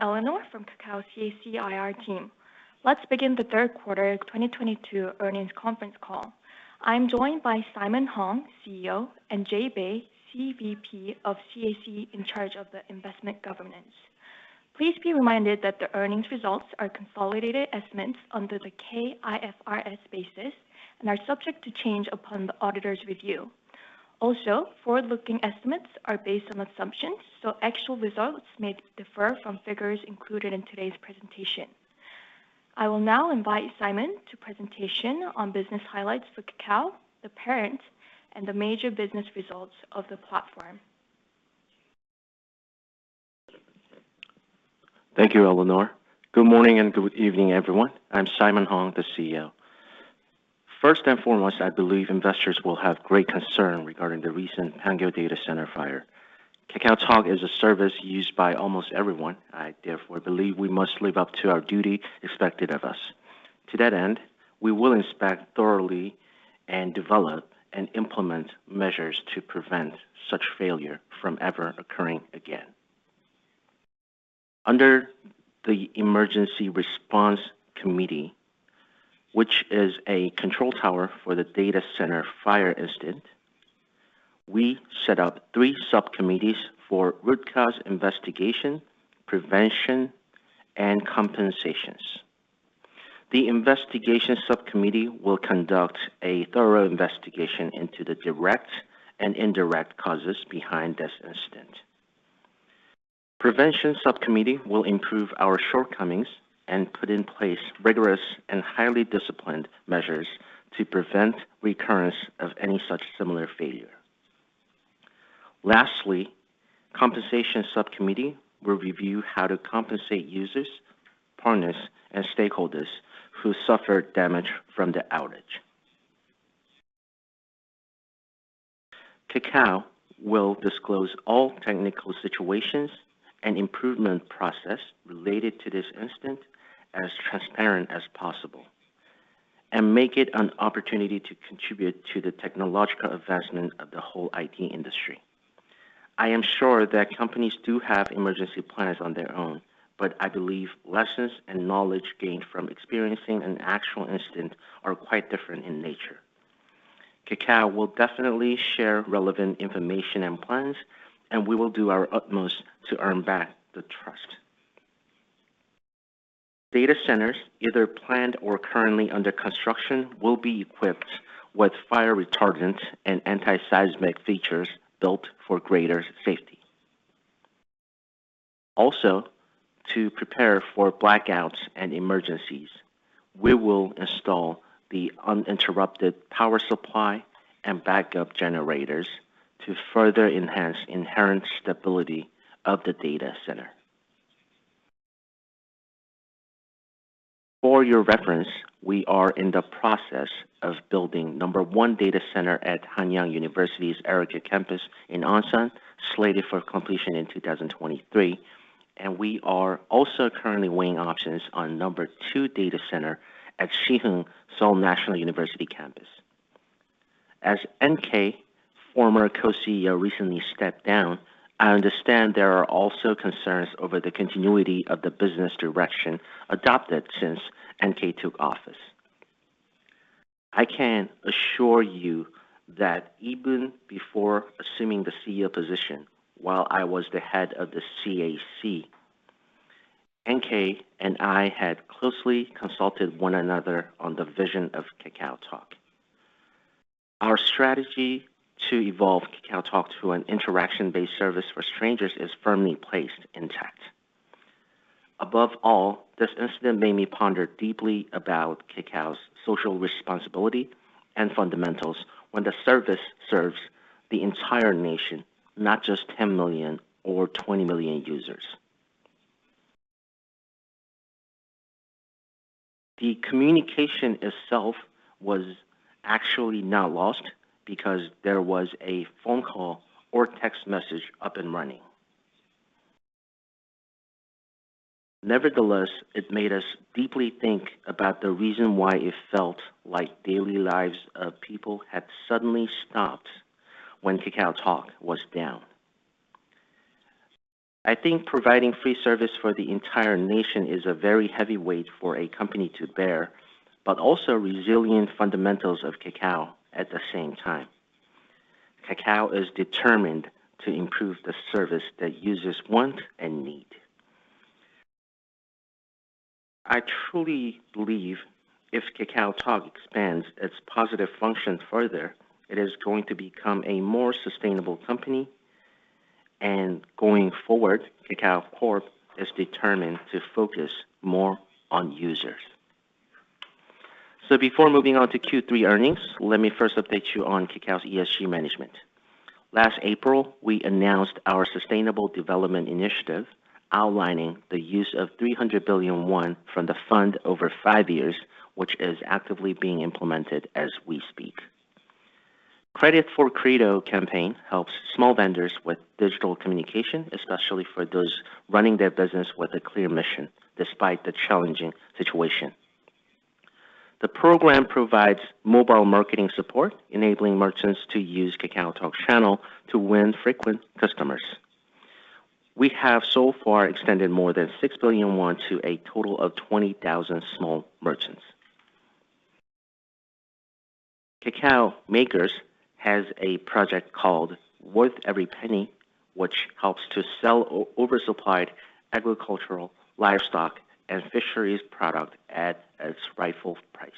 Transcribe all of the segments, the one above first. Hello, I'm Eleanor from Kakao CAC IR team. Let's begin the third quarter 2022 earnings conference call. I'm joined by Simon Hong, CEO, and Jae Bae, CVP of CAC in charge of the investment governance. Please be reminded that the earnings results are consolidated estimates under the KIFRS basis and are subject to change upon the auditor's review. Forward-looking estimates are based on assumptions, so actual results may differ from figures included in today's presentation. I will now invite Simon to presentation on business highlights for Kakao, the parent, and the major business results of the platform. Thank you, Eleanor. Good morning and good evening, everyone. I'm Simon Hong, CEO. First and foremost, I believe investors will have great concern regarding the recent Pangyo data center fire. KakaoTalk is a service used by almost everyone. I therefore believe we must live up to our duty expected of us. To that end, we will inspect thoroughly and develop and implement measures to prevent such failure from ever occurring again. Under the Emergency Response Committee, which is a control tower for the data center fire incident, we set up three subcommittees for root cause investigation, prevention, and compensation. The investigation subcommittee will conduct a thorough investigation into the direct and indirect causes behind this incident. Prevention subcommittee will improve our shortcomings and put in place rigorous and highly disciplined measures to prevent recurrence of any such similar failure. Lastly, compensation subcommittee will review how to compensate users, partners, and stakeholders who suffered damage from the outage. Kakao will disclose all technical situations and improvement process related to this incident as transparent as possible and make it an opportunity to contribute to the technological advancement of the whole IT industry. I am sure that companies do have emergency plans on their own, but I believe lessons and knowledge gained from experiencing an actual incident are quite different in nature. Kakao will definitely share relevant information and plans, and we will do our utmost to earn back the trust. Data centers, either planned or currently under construction, will be equipped with fire retardant and anti-seismic features built for greater safety. Also, to prepare for blackouts and emergencies, we will install the uninterrupted power supply and backup generators to further enhance inherent stability of the data center. For your reference, we are in the process of building number one data center at Hanyang University's ERICA Campus in Ansan, slated for completion in 2023, and we are also currently weighing options on number two data center at Siheung Seoul National University Campus. As NK, former co-CEO, recently stepped down, I understand there are also concerns over the continuity of the business direction adopted since NK took office. I can assure you that even before assuming the CEO position, while I was the head of the CAC, NK and I had closely consulted one another on the vision of KakaoTalk. Our strategy to evolve KakaoTalk to an interaction-based service for strangers is firmly placed intact. Above all, this incident made me ponder deeply about Kakao's social responsibility and fundamentals when the service serves the entire nation, not just 10 million or 20 million users. The communication itself was actually not lost because there was a phone call or text message up and running. Nevertheless, it made us deeply think about the reason why it felt like daily lives of people had suddenly stopped when KakaoTalk was down. I think providing free service for the entire nation is a very heavy weight for a company to bear, but also resilient fundamentals of Kakao at the same time. Kakao is determined to improve the service that users want and need. I truly believe if KakaoTalk expands its positive function further, it is going to become a more sustainable company. Going forward, Kakao Corp is determined to focus more on users. Before moving on to Q3 earnings, let me first update you on Kakao's ESG management. Last April, we announced our sustainable development initiative, outlining the use of 300 billion won from the fund over five years, which is actively being implemented as we speak. Credit for Credo campaign helps small vendors with digital communication, especially for those running their business with a clear mission despite the challenging situation. The program provides mobile marketing support, enabling merchants to use KakaoTalk Channel to win frequent customers. We have so far extended more than 6 billion won to a total of 20,000 small merchants. Kakao Makers has a project called Jegabeochi, which helps to sell over-supplied agricultural, livestock, and fisheries product at its rightful price.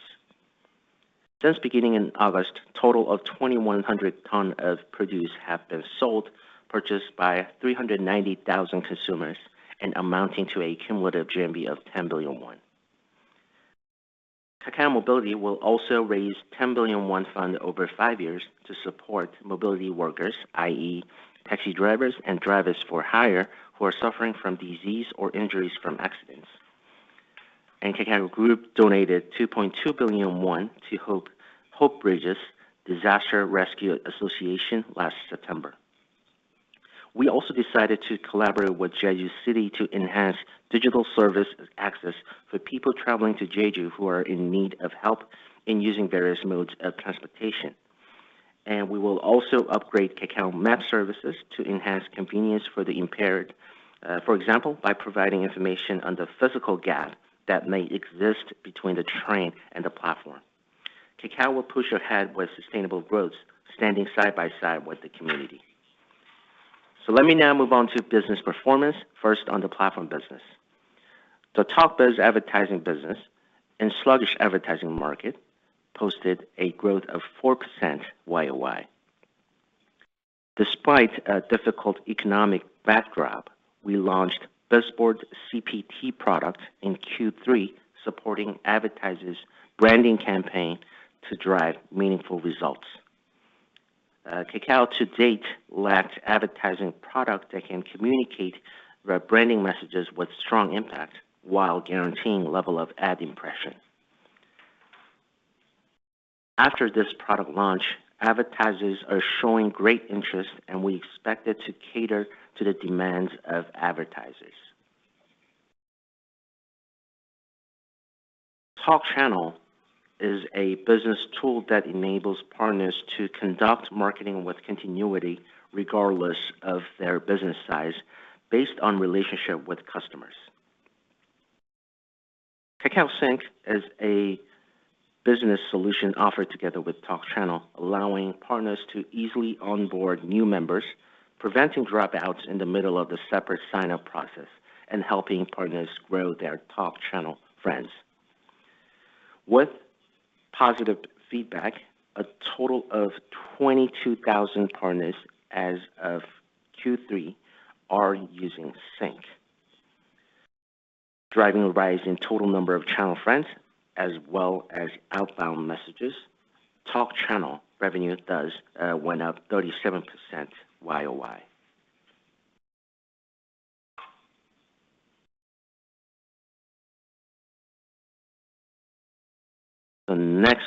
Since beginning in August, total of 2,100 tons of produce have been sold, purchased by 390,000 consumers, and amounting to a cumulative GMV of 10 billion won. Kakao Mobility will also raise 10 billion won fund over five years to support mobility workers, i.e., taxi drivers and drivers for hire who are suffering from disease or injuries from accidents. Kakao Group donated 2.2 billion won to Hope Bridge Korea Disaster Relief Association last September. We also decided to collaborate with Jeju City to enhance digital service access for people traveling to Jeju who are in need of help in using various modes of transportation. We will also upgrade Kakao Map services to enhance convenience for the impaired, for example, by providing information on the physical gap that may exist between the train and the platform. Kakao will push ahead with sustainable growth, standing side by side with the community. Let me now move on to business performance, first on the platform business. The Talk Biz advertising business, in sluggish advertising market, posted a growth of 4% YoY. Despite a difficult economic backdrop, we launched Bizboard CPT product in Q3, supporting advertisers' branding campaign to drive meaningful results. Kakao, to date, lacked advertising product that can communicate the branding messages with strong impact while guaranteeing level of ad impression. After this product launch, advertisers are showing great interest, and we expect it to cater to the demands of advertisers. Talk Channel is a business tool that enables partners to conduct marketing with continuity regardless of their business size based on relationship with customers. Kakao Sync is a business solution offered together with Talk Channel, allowing partners to easily onboard new members, preventing dropouts in the middle of the separate sign-up process, and helping partners grow their Talk Channel friends. With positive feedback, a total of 22,000 partners as of Q3 are using Kakao Sync. Driving a rise in total number of channel friends as well as outbound messages, Talk Channel revenue thus went up 37% YoY. The next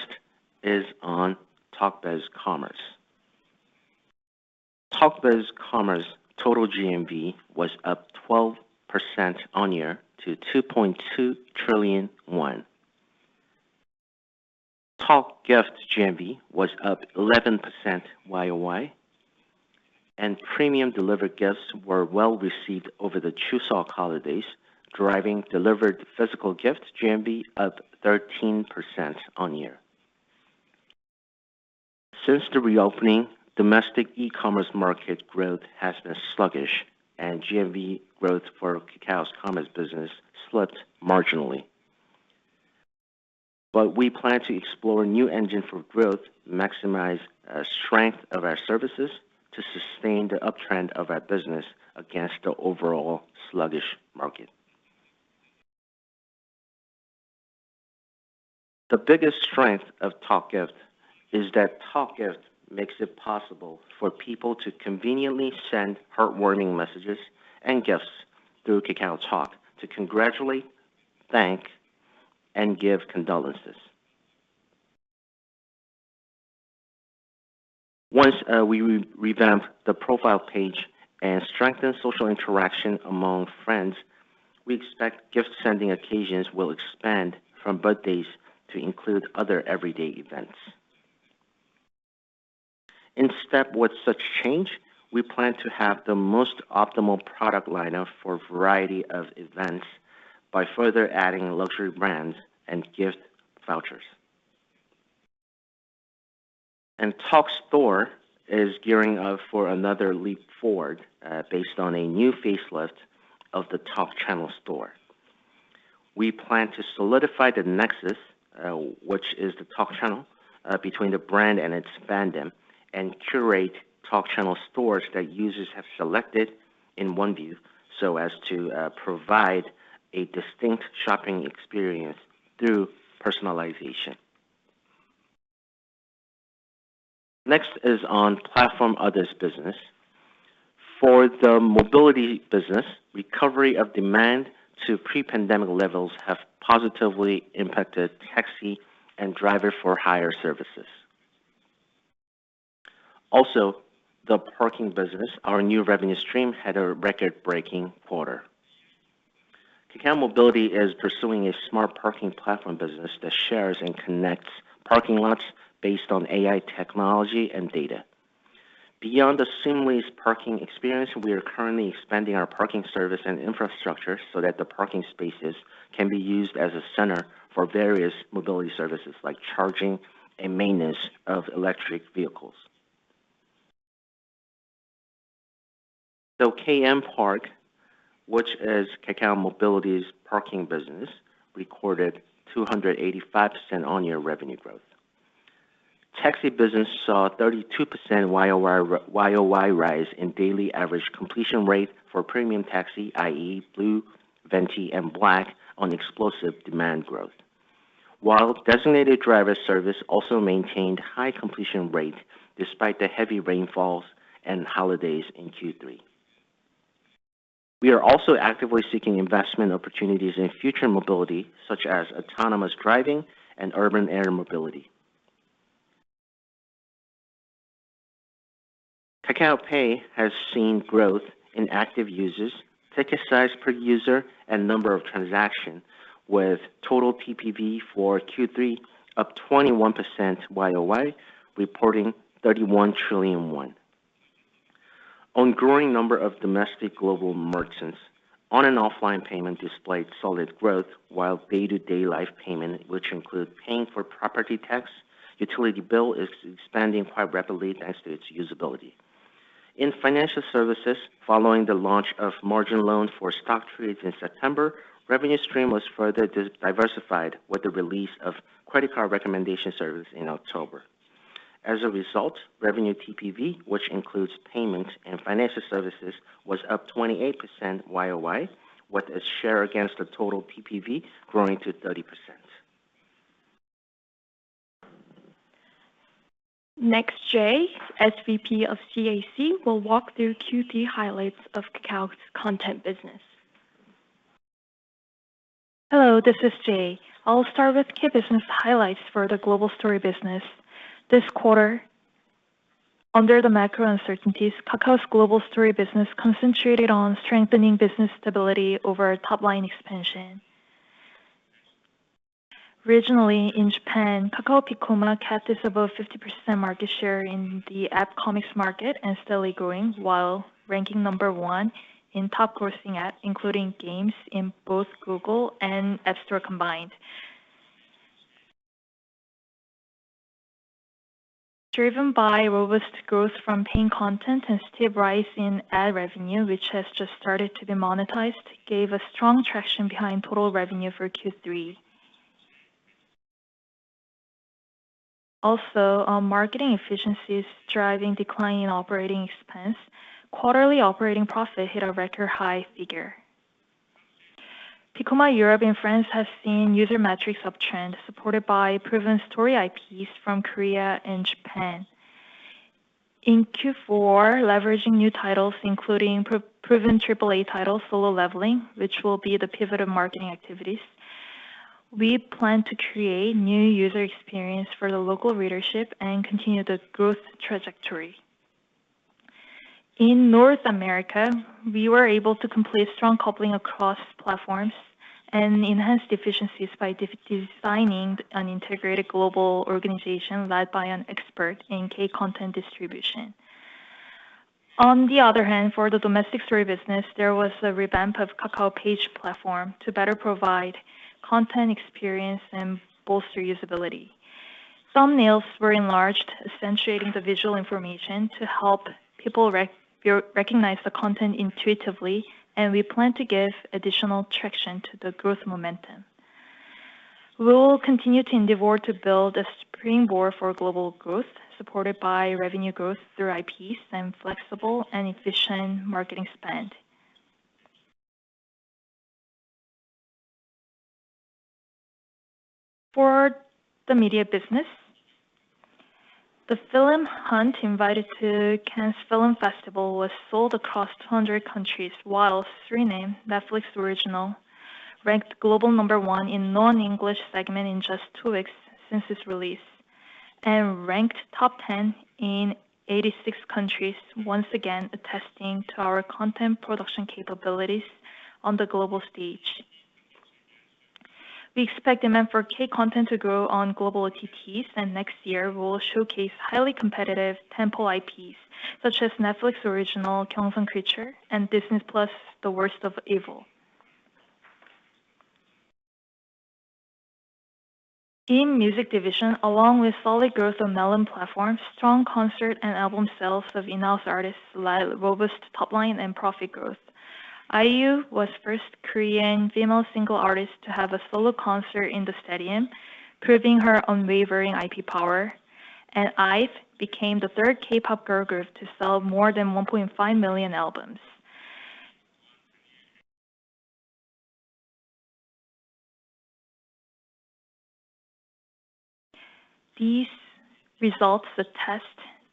is on Talk Biz Commerce. Talk Biz Commerce total GMV was up 12% YoY to 2.2 trillion won. Talk Gift GMV was up 11% YoY, and premium delivered gifts were well received over the Chuseok holidays, driving delivered physical gifts GMV up 13% YoY. Since the reopening, domestic e-commerce market growth has been sluggish and GMV growth for Kakao's commerce business slipped marginally. We plan to explore new engine for growth, maximize strength of our services to sustain the uptrend of our business against the overall sluggish market. The biggest strength of Talk Gift is that Talk Gift makes it possible for people to conveniently send heartwarming messages and gifts through KakaoTalk to congratulate, thank, and give condolences. Once we revamp the profile page and strengthen social interaction among friends, we expect gift-sending occasions will expand from birthdays to include other everyday events. In step with such change, we plan to have the most optimal product lineup for a variety of events by further adding luxury brands and gift vouchers. KakaoTalk Store is gearing up for another leap forward based on a new facelift of the Talk Channel store. We plan to solidify the nexus, which is the Talk Channel, between the brand and its fandom, and curate Talk Channel stores that users have selected in one view, so as to provide a distinct shopping experience through personalization. Next is on Platform-Others business. For the Mobility business, recovery of demand to pre-pandemic levels have positively impacted taxi and driver for hire services. Also, the parking business, our new revenue stream, had a record-breaking quarter. Kakao Mobility is pursuing a smart parking platform business that shares and connects parking lots based on AI technology and data. Beyond the seamless parking experience, we are currently expanding our parking service and infrastructure so that the parking spaces can be used as a center for various mobility services, like charging and maintenance of electric vehicles. KM Park, which is Kakao Mobility's Parking business, recorded 285% year-on-year revenue growth. Taxi business saw 32% YoY rise in daily average completion rate for premium taxi, i.e., Blue, Venti and Black on explosive demand growth. While designated driver service also maintained high completion rate despite the heavy rainfalls and holidays in Q3. We are also actively seeking investment opportunities in future mobility, such as autonomous driving and urban air mobility. Kakao Pay has seen growth in active users, ticket size per user, and number of transaction, with total TPV for Q3 up 21% YoY, reporting 31 trillion won. On growing number of domestic global merchants, online and offline payment displayed solid growth, while day-to-day life payment, which include paying for property tax, utility bill, is expanding quite rapidly thanks to its usability. In financial services, following the launch of margin loan for stock trades in September, revenue stream was further diversified with the release of credit card recommendation service in October. As a result, revenue TPV, which includes payment and financial services, was up 28% YoY, with its share against the total TPV growing to 30%. Next, Jae, CVP of CAC, will walk through Q3 highlights of Kakao's content business. Hello, this is Jae. I'll start with key business highlights for the global story business. This quarter, under the macro uncertainties, Kakao's global story business concentrated on strengthening business stability over top-line expansion. Regionally, in Japan, Kakao Piccoma kept its above 50% market share in the app comics market and steadily growing, while ranking number one in top grossing app, including games in both Google and App Store combined. Driven by robust growth from paying content and steep rise in ad revenue, which has just started to be monetized, gave a strong traction behind total revenue for Q3. Also, our marketing efficiencies driving decline in operating expense, quarterly operating profit hit a record high figure. Piccoma Europe and France has seen user metrics uptrend, supported by proven story IPs from Korea and Japan. In Q4, leveraging new titles, including proven AAA title, Solo Leveling, which will be the pivot of marketing activities, we plan to create new user experience for the local readership and continue the growth trajectory. In North America, we were able to complete strong coupling across platforms and enhance the efficiencies by designing an integrated global organization led by an expert in K-content distribution. On the other hand, for the domestic story business, there was a revamp of KakaoPage platform to better provide content experience and bolster usability. Thumbnails were enlarged, accentuating the visual information to help people recognize the content intuitively, and we plan to give additional traction to the growth momentum. We will continue to endeavor to build a springboard for global growth, supported by revenue growth through IPs and flexible and efficient marketing spend. For the Media business, the film Hunt, invited to Cannes Film Festival, was sold across 200 countries, while Squid Game, Netflix original, ranked global number one in non-English segment in just two weeks since its release, and ranked top 10 in 86 countries, once again attesting to our content production capabilities on the global stage. We expect demand for K-content to grow on global OTTs, and next year we will showcase highly competitive tempting IPs such as Netflix original Gyeongseong Creature and Disney+ The Worst of Evil. In music division, along with solid growth of Melon platform, strong concert and album sales of in-house artists led robust top line and profit growth. IU was first Korean female single artist to have a solo concert in the stadium, proving her unwavering IP power. IVE became the third K-pop girl group to sell more than 1.5 million albums. These results attest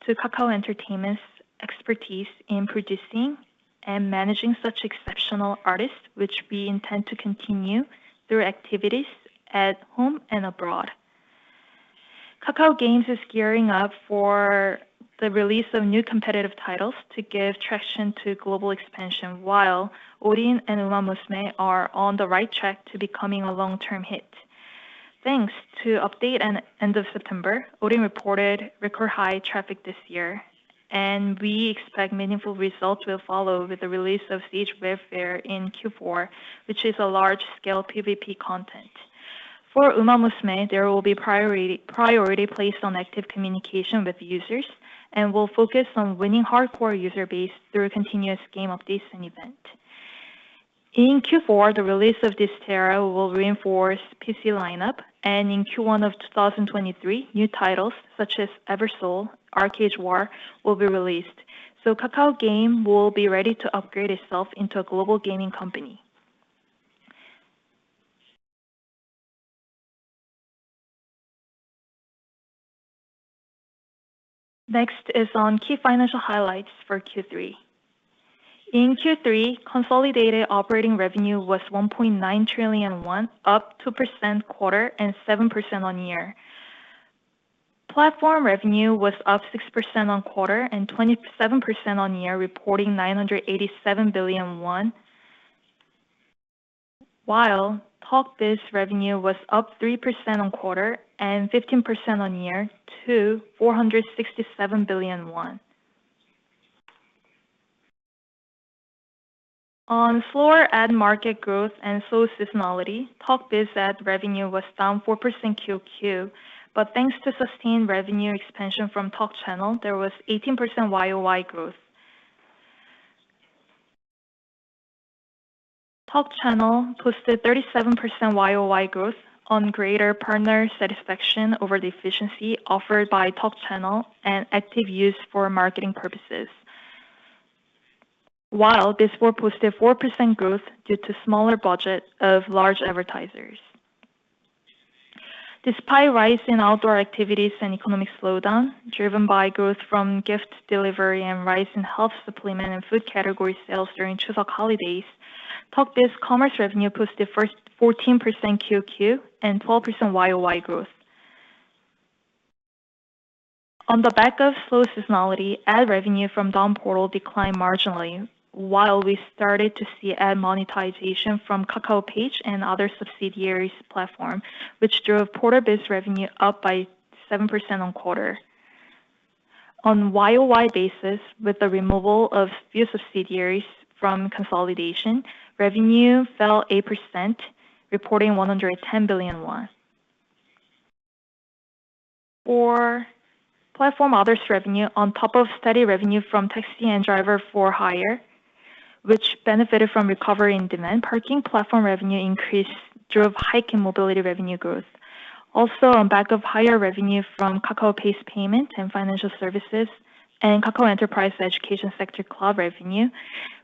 to Kakao Entertainment's expertise in producing and managing such exceptional artists, which we intend to continue through activities at home and abroad. Kakao Games is gearing up for the release of new competitive titles to give traction to global expansion, while Odin: Valhalla Rising and Uma Musume Pretty Derby are on the right track to becoming a long-term hit. Thanks to the update at the end of September, Odin: Valhalla Rising reported record high traffic this year, and we expect meaningful results will follow with the release of Siege Warfare in Q4, which is a large-scale PVP content. For Uma Musume Pretty Derby, there will be priority placed on active communication with users, and will focus on winning hardcore user base through continuous game updates and event. In Q4, the release of Dysterra will reinforce PC lineup, and in Q1 of 2023, new titles such as Eversoul, ArcheAge: War, will be released. Kakao Games will be ready to upgrade itself into a global gaming company. Next is on key financial highlights for Q3. In Q3, consolidated operating revenue was 1.9 trillion won, up 2% QoQ and 7% YoY. Platform revenue was up 6% QoQ and 27% YoY, reporting KRW 987 billion. While Talk Biz revenue was up 3% QoQ and 15% YoY to KRW 467 billion. On slower ad market growth and slow seasonality, Talk Biz ad revenue was down 4% QoQ. Thanks to sustained revenue expansion from Talk Channel, there was 18% YoY growth. Talk Channel posted 37% YoY growth on greater partner satisfaction over the efficiency offered by Talk Channel and active use for marketing purposes. While Bizboard posted 4% growth due to smaller budget of large advertisers. Despite rise in outdoor activities and economic slowdown, driven by growth from gift delivery and rise in health supplement and food category sales during Chuseok holidays, Talk Biz commerce revenue posted 14% QoQ and 12% YoY growth. On the back of slow seasonality, ad revenue from Daum Portal declined marginally. We started to see ad monetization from KakaoPage and other subsidiaries platform, which drove Portal Biz revenue up by 7% QoQ. On YoY basis, with the removal of few subsidiaries from consolidation, revenue fell 8%, reporting KRW 110 billion. For Platform-Others revenue, on top of steady revenue from taxi and driver for hire, which benefited from recovery in demand, parking platform revenue increase drove hike in mobility revenue growth. On back of higher revenue from Kakao Pay's payment and financial services and Kakao Enterprise education sector cloud revenue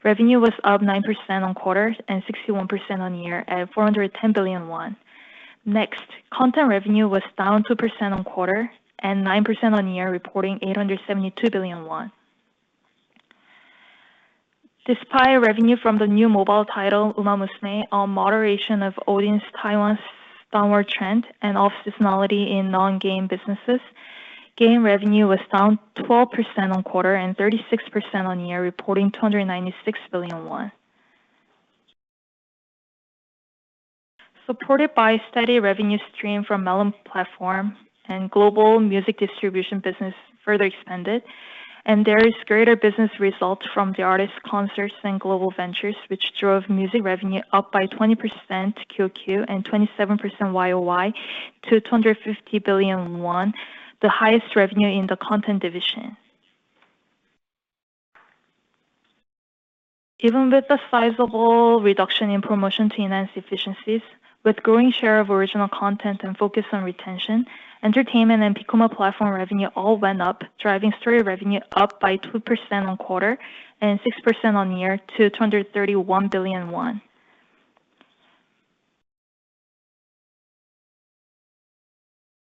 was up 9% quarter-over-quarter and 61% year-over-year at 410 billion won. Next, content revenue was down 2% quarter-over-quarter and 9% year-over-year, reporting 872 billion won. Despite revenue from the new mobile title, Uma Musume Pretty Derby, on moderation of Odin: Valhalla Rising's Taiwan's downward trend and off-seasonality in non-game businesses, game revenue was down 12% quarter-over-quarter and 36% year-over-year, reporting KRW 296 billion. Supported by steady revenue stream from Melon platform and global music distribution business further expanded, and there is greater business results from the artist concerts and global ventures, which drove music revenue up by 20% QoQ and 27% YoY to 250 billion won, the highest revenue in the content division. Even with the sizable reduction in promotion to enhance efficiencies, with growing share of original content and focus on retention, entertainment and Piccoma platform revenue all went up, driving story revenue up by 2% on quarter and 6% on-year to KRW 231 billion.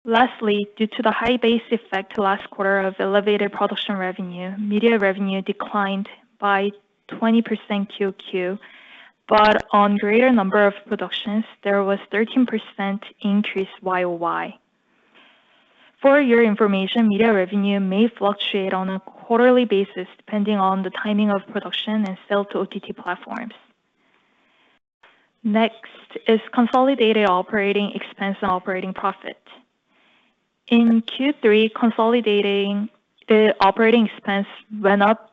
Lastly, due to the high base effect last quarter of elevated production revenue, media revenue declined by 20% QoQ, but on greater number of productions, there was 13% increase YoY. For your information, media revenue may fluctuate on a quarterly basis depending on the timing of production and sale to OTT platforms. Next is consolidated operating expense and operating profit. In Q3, consolidated operating expense went up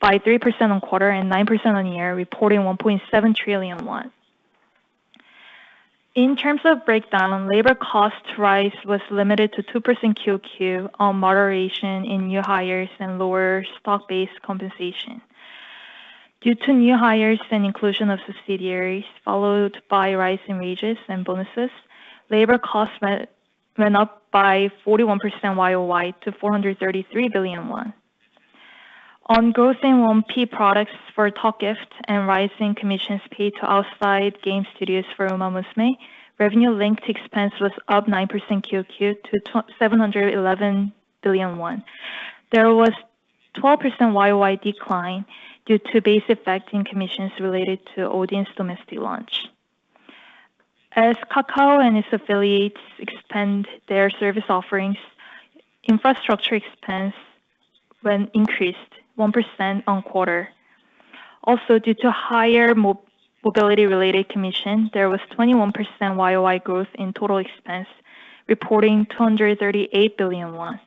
by 3% quarter-over-quarter and 9% year-over-year, reporting 1.7 trillion won. In terms of breakdown, labor cost rise was limited to 2% QoQ on moderation in new hires and lower stock-based compensation. Due to new hires and inclusion of subsidiaries, followed by rise in wages and bonuses, labor costs went up by 41% YoY to 433 billion won. On growth in 1P products for Talk Gift and rise in commissions paid to outside game studios for Uma Musume Pretty Derby, revenue linked expense was up 9% QoQ to seven hundred and eleven billion won. There was 12% YoY decline due to base effect in commissions related to Odin: Valhalla Rising's domestic launch. As Kakao and its affiliates expand their service offerings, infrastructure expense which increased 1% quarter-over-quarter. Due to higher mobility related commission, there was 21% YoY growth in total expense, reporting 238 billion won.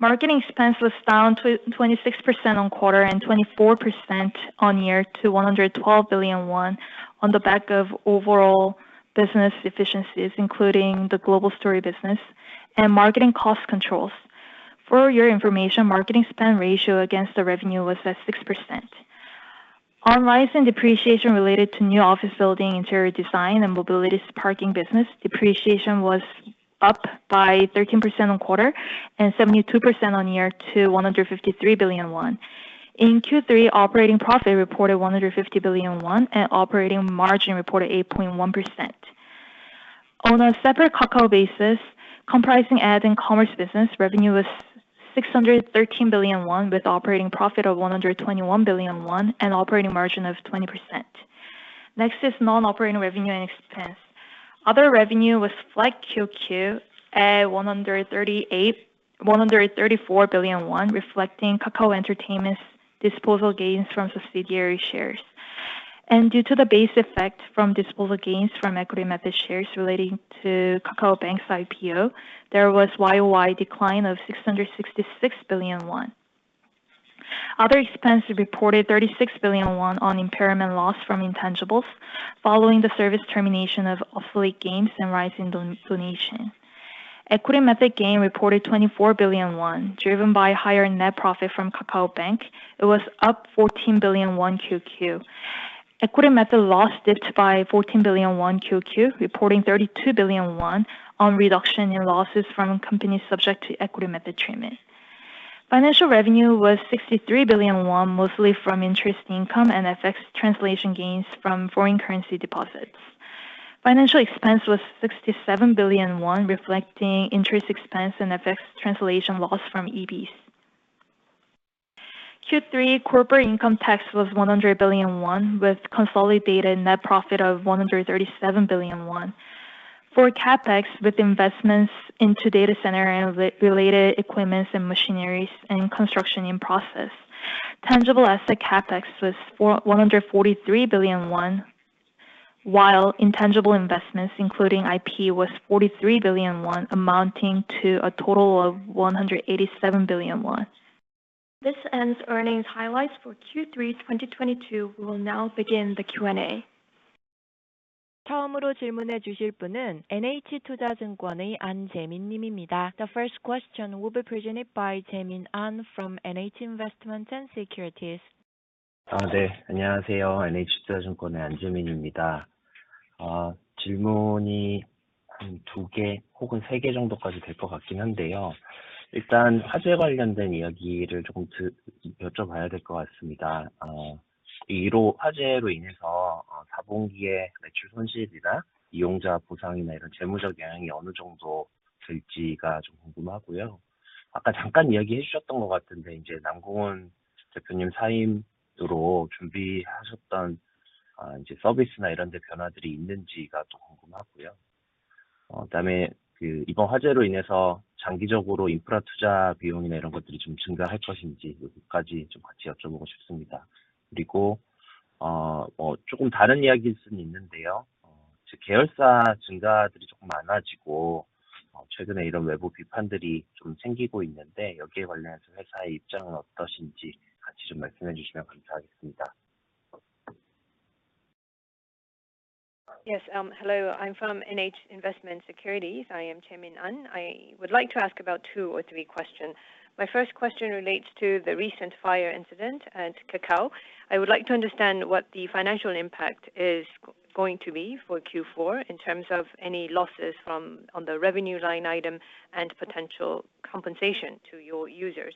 Marketing expense was down 26% quarter-over-quarter and 24% year-over-year to 112 billion won on the back of overall business efficiencies, including the global store business and marketing cost controls. For your information, marketing spend ratio against the revenue was at 6%. On rise in depreciation related to new office building, interior design and mobility's parking business, depreciation was up by 13% quarter-over-quarter and 72% year-over-year to 153 billion won. In Q3, operating profit reported 150 billion won and operating margin reported 8.1%. On a separate Kakao basis, comprising ads and commerce business, revenue was 613 billion won, with operating profit of 121 billion won and operating margin of 20%. Next is non-operating revenue and expense. Other revenue was flat QoQ at 134 billion won, reflecting Kakao Entertainment's disposal gains from subsidiary shares. Due to the base effect from disposal gains from equity method shares relating to Kakao Bank's IPO, there was YoY decline of 666 billion won. Other expense reported 36 billion won on impairment loss from intangibles, following the service termination of affiliates and rise in donation. Equity method gain reported 24 billion won, driven by higher net profit from Kakao Bank. It was up 14 billion won QoQ. Equity method loss dipped by 14 billion won QoQ, reporting 32 billion won on reduction in losses from companies subject to equity method treatment. Financial revenue was 63 billion won, mostly from interest income and FX translation gains from foreign currency deposits. Financial expense was 67 billion won, reflecting interest expense and FX translation loss from EBs. Q3 corporate income tax was 100 billion won, with consolidated net profit of 137 billion won. For CapEx, with investments into data center and AI-related equipments and machineries and construction in process. Tangible asset CapEx was for 143 billion won, while intangible investments, including IP, was 43 billion won, amounting to a total of 187 billion won. This ends earnings highlights for Q3 2022. We will now begin the Q&A. The first question will be presented by Jaemin Ahn from NH Investment & Securities. Yes. Hello. I'm from NH Investment & Securities. I am Jaemin Ahn. I would like to ask about two or three questions. My first question relates to the recent fire incident at Kakao. I would like to understand what the financial impact is going to be for Q4 in terms of any losses from on the revenue line item and potential compensation to your users.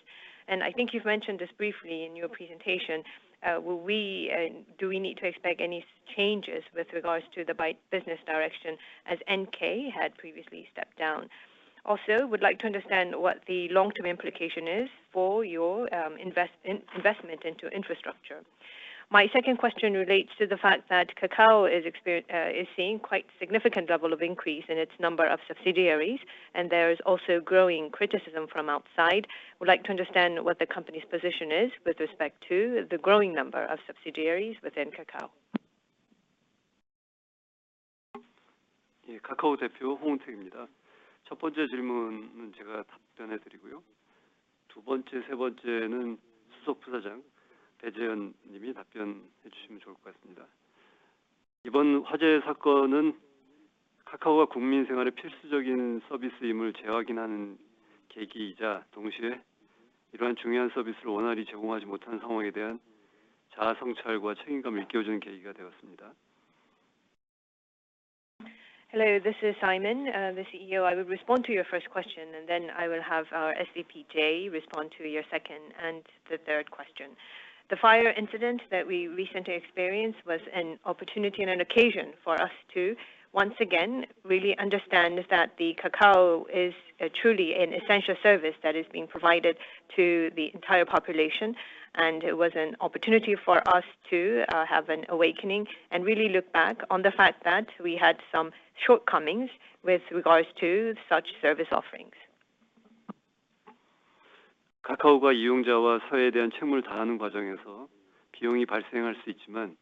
I think you've mentioned this briefly in your presentation, will we, and do we need to expect any changes with regards to the B2B business direction as NK had previously stepped down? Also, would like to understand what the long-term implication is for your investment into infrastructure. My second question relates to the fact that Kakao is seeing quite significant level of increase in its number of subsidiaries, and there is also growing criticism from outside. Would like to understand what the company's position is with respect to the growing number of subsidiaries within Kakao. Hello, this is Simon, the CEO. I will respond to your first question, and then I will have our CVP, Jae, respond to your second and the third question. The fire incident that we recently experienced was an opportunity and an occasion for us to, once again, really understand that Kakao is truly an essential service that is being provided to the entire population. It was an opportunity for us to have an awakening and really look back on the fact that we had some shortcomings with regards to such service offerings. 카카오가 이용자와 사회에 대한 책임을 다하는 과정에서 비용이 발생할 수 있지만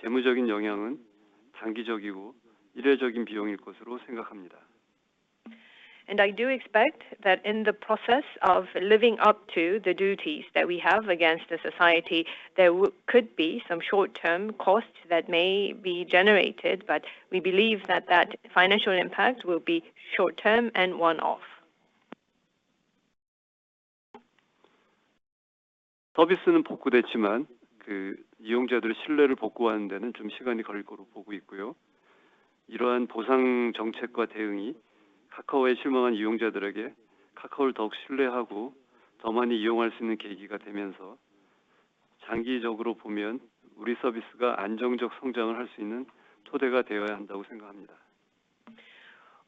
재무적인 영향은 단기적이고 일회적인 비용일 것으로 생각합니다. I do expect that in the process of living up to the duties that we have against the society, there could be some short term costs that may be generated, but we believe that financial impact will be short term and one-off. 서비스는 복구됐지만, 그 이용자들의 신뢰를 복구하는 데는 좀 시간이 걸릴 것으로 보고 있고요. 이러한 보상 정책과 대응이 카카오에 실망한 이용자들에게 카카오를 더욱 신뢰하고 더 많이 이용할 수 있는 계기가 되면서 장기적으로 보면 우리 서비스가 안정적 성장을 할수 있는 토대가 되어야 한다고 생각합니다.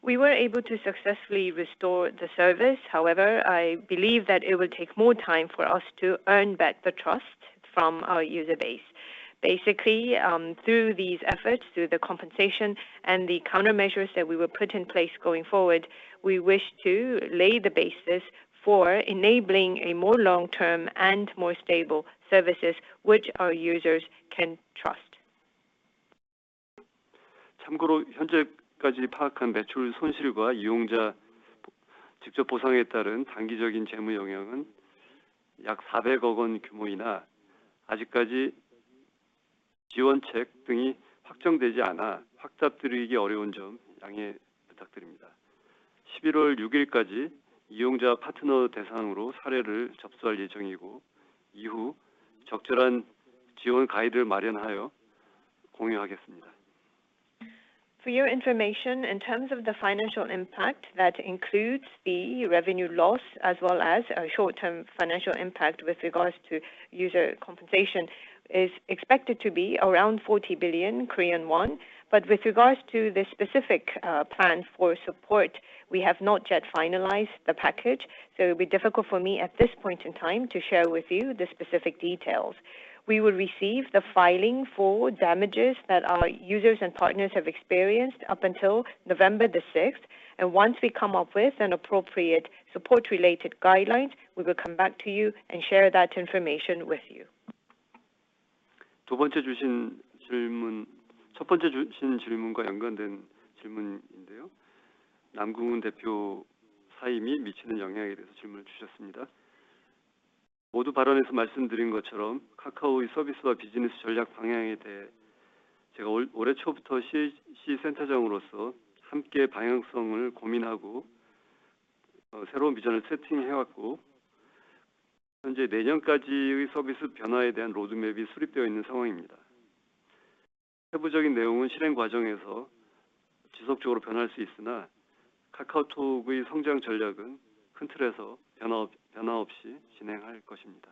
We were able to successfully restore the service. However, I believe that it will take more time for us to earn back the trust from our user base. Basically, through these efforts, through the compensation and the countermeasures that we will put in place going forward, we wish to lay the basis for enabling a more long-term and more stable services which our users can trust. 참고로 현재까지 파악한 매출 손실과 이용자 직접 보상에 따른 단기적인 재무 영향은 약 400억 원 규모이나 아직까지 지원책 등이 확정되지 않아 확답 드리기 어려운 점 양해 부탁드립니다. 11월 6일까지 이용자 파트너 대상으로 사례를 접수할 예정이고, 이후 적절한 지원 가이드를 마련하여 공유하겠습니다. For your information, in terms of the financial impact, that includes the revenue loss as well as a short-term financial impact with regards to user compensation, is expected to be around 40 billion Korean won. With regards to the specific plan for support, we have not yet finalized the package, so it would be difficult for me at this point in time to share with you the specific details. We will receive the filing for damages that our users and partners have experienced up until November 6th. Once we come up with an appropriate support related guidelines, we will come back to you and share that information with you. 두 번째 주신 질문, 첫 번째 주신 질문과 연관된 질문인데요. 남궁훈 대표 사임이 미치는 영향에 대해서 질문을 주셨습니다. 모두 발언에서 말씀드린 것처럼 카카오의 서비스와 비즈니스 전략 방향에 대해 제가 올해 초부터 CAC 센터장으로서 함께 방향성을 고민하고, 새로운 비전을 세팅해 왔고, 현재 내년까지의 서비스 변화에 대한 로드맵이 수립되어 있는 상황입니다. 세부적인 내용은 실행 과정에서 지속적으로 변할 수 있으나, 카카오톡의 성장 전략은 큰 틀에서 변화 없이 진행할 것입니다.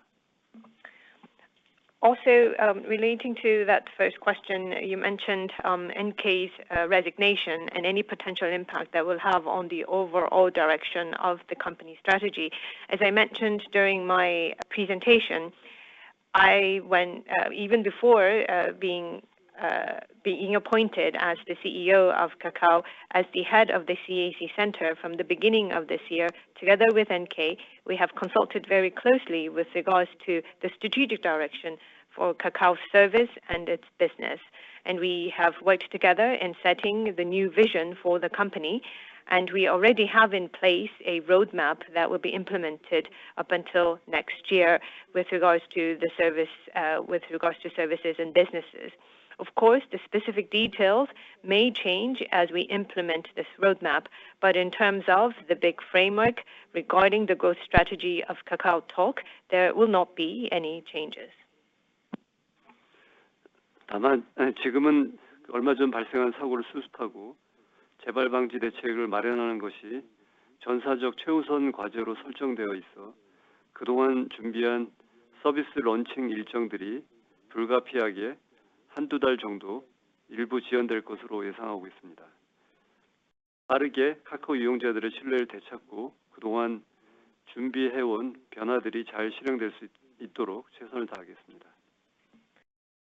Also, relating to that first question, you mentioned NK's resignation and any potential impact that will have on the overall direction of the company strategy. As I mentioned during my presentation, even before being appointed as the CEO of Kakao, as the head of the CAC Center from the beginning of this year, together with NK, we have consulted very closely with regards to the strategic direction for Kakao service and its business. We have worked together in setting the new vision for the company, and we already have in place a roadmap that will be implemented up until next year with regards to the service, with regards to services and businesses. Of course, the specific details may change as we implement this roadmap, but in terms of the big framework regarding the growth strategy of KakaoTalk, there will not be any changes. 다만, 지금은 얼마 전 발생한 사고를 수습하고 재발 방지 대책을 마련하는 것이 전사적 최우선 과제로 설정되어 있어 그동안 준비한 서비스 런칭 일정들이 불가피하게 한두 달 정도 일부 지연될 것으로 예상하고 있습니다. 빠르게 카카오 이용자들의 신뢰를 되찾고 그동안 준비해 온 변화들이 잘 실행될 수 있도록 최선을 다하겠습니다.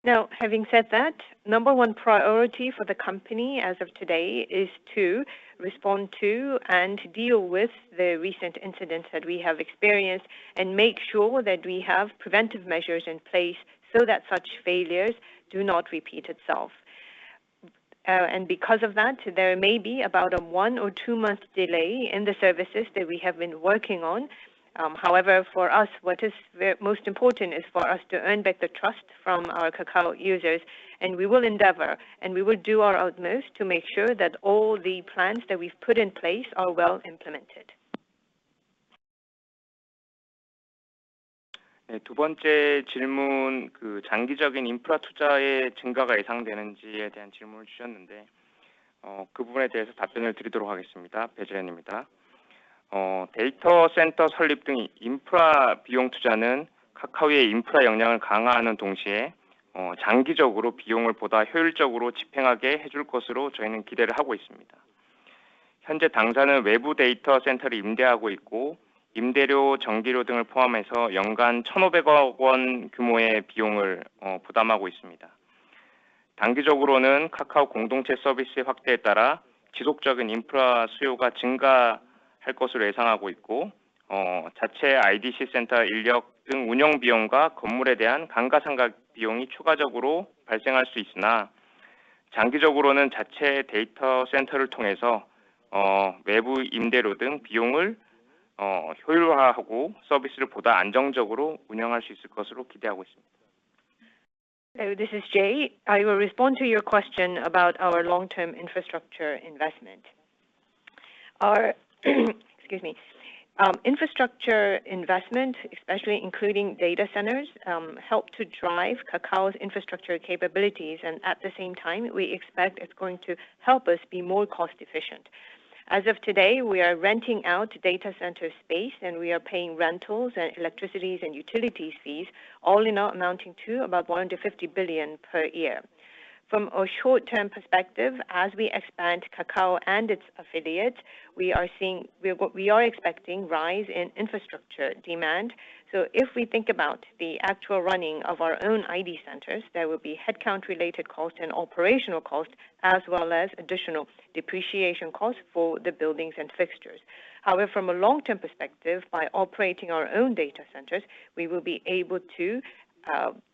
Now, having said that, number one priority for the company as of today is to respond to and deal with the recent incidents that we have experienced and make sure that we have preventive measures in place so that such failures do not repeat itself. Because of that, there may be about a one or two month delay in the services that we have been working on. However, for us, what is most important is for us to earn back the trust from our Kakao users, and we will endeavor, and we will do our utmost to make sure that all the plans that we've put in place are well implemented. 두 번째 질문, 장기적인 인프라 투자의 증가가 예상되는지에 대한 질문을 주셨는데, 그 부분에 대해서 답변을 드리도록 하겠습니다. 배재현입니다. 데이터 센터 설립 등 인프라 비용 투자는 카카오의 인프라 역량을 강화하는 동시에, 장기적으로 비용을 보다 효율적으로 집행하게 해줄 것으로 저희는 기대를 하고 있습니다. 현재 당사는 외부 데이터 센터를 임대하고 있고, 임대료, 전기료 등을 포함해서 연간 1,500억 원 규모의 비용을 부담하고 있습니다. 단기적으로는 카카오 공동체 서비스의 확대에 따라 지속적인 인프라 수요가 증가할 것으로 예상하고 있고, 자체 IDC 센터 인력 등 운영 비용과 건물에 대한 감가상각 비용이 추가적으로 발생할 수 있으나, 장기적으로는 자체 데이터센터를 통해서 외부 임대료 등 비용을 효율화하고 서비스를 보다 안정적으로 운영할 수 있을 것으로 기대하고 있습니다. This is Jae. I will respond to your question about our long term infrastructure investment. Our infrastructure investment, especially including data centers, help to drive Kakao's infrastructure capabilities, and at the same time, we expect it's going to help us be more cost efficient. As of today, we are renting out data center space, and we are paying rentals and electricity and utilities fees, all in all amounting to about 150 billion per year. From a short term perspective, as we expand Kakao and its affiliates, we are expecting rise in infrastructure demand. If we think about the actual running of our own data centers, there will be headcount-related costs and operational costs, as well as additional depreciation costs for the buildings and fixtures. However, from a long-term perspective, by operating our own data centers, we will be able to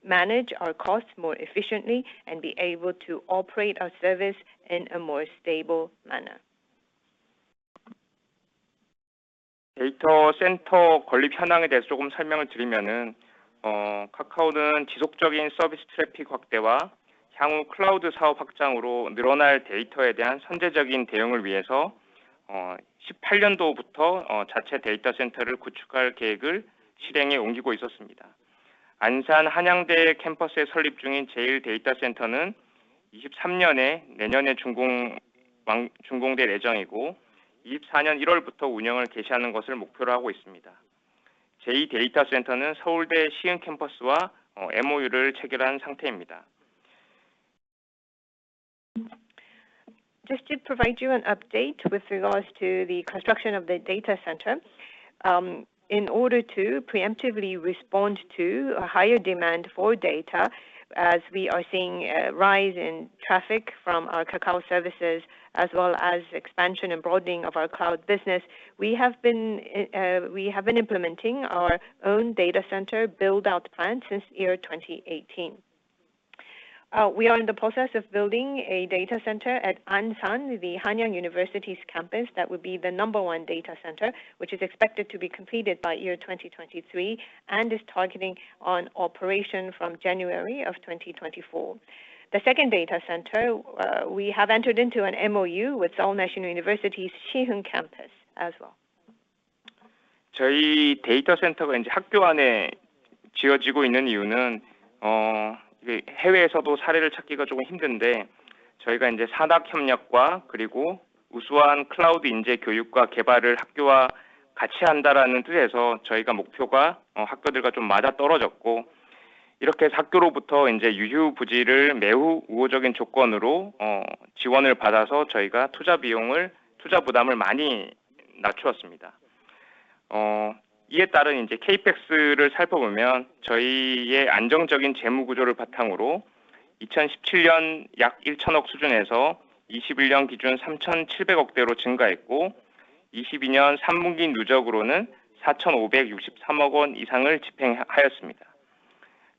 manage our costs more efficiently and be able to operate our service in a more stable manner. 데이터센터 건립 현황에 대해서 조금 설명을 드리면, 카카오는 지속적인 서비스 트래픽 확대와 향후 클라우드 사업 확장으로 늘어날 데이터에 대한 선제적인 대응을 위해서, 2018년도부터 자체 데이터센터를 구축할 계획을 실행에 옮기고 있었습니다. 안산 한양대 캠퍼스에 설립 중인 제1 데이터센터는 2023년에, 내년에 준공될 예정이고, 2024년 1월부터 운영을 개시하는 것을 목표로 하고 있습니다. 제2 데이터센터는 서울대 시흥 캠퍼스와 MOU를 체결한 상태입니다. Just to provide you an update with regards to the construction of the data center. In order to preemptively respond to a higher demand for data, as we are seeing a rise in traffic from our Kakao services, as well as expansion and broadening of our cloud business, we have been implementing our own data center build-out plan since year 2018. We are in the process of building a data center at Ansan, the Hanyang University's Campus. That would be the number one data center, which is expected to be completed by year 2023 and is targeting on operation from January of 2024. The second data center, we have entered into an MOU with Seoul National University's Siheung Campus as well. 저희 데이터센터가 이제 학교 안에 지어지고 있는 이유는, 해외에서도 사례를 찾기가 조금 힘든데, 저희가 이제 산학협력과 그리고 우수한 클라우드 인재 교육과 개발을 학교와 같이 한다라는 뜻에서 저희가 목표가 학교들과 좀 맞아떨어졌고, 이렇게 해서 학교로부터 이제 유휴부지를 매우 우호적인 조건으로 지원을 받아서 저희가 투자 비용을, 투자 부담을 많이 낮추었습니다. 이에 따른 이제 CapEx를 살펴보면, 저희의 안정적인 재무구조를 바탕으로 2017년 약 ₩1,000억 수준에서 2021년 기준 ₩3,700억대로 증가했고, 2022년 3분기 누적으로는 ₩4,563억 원 이상을 집행하였습니다.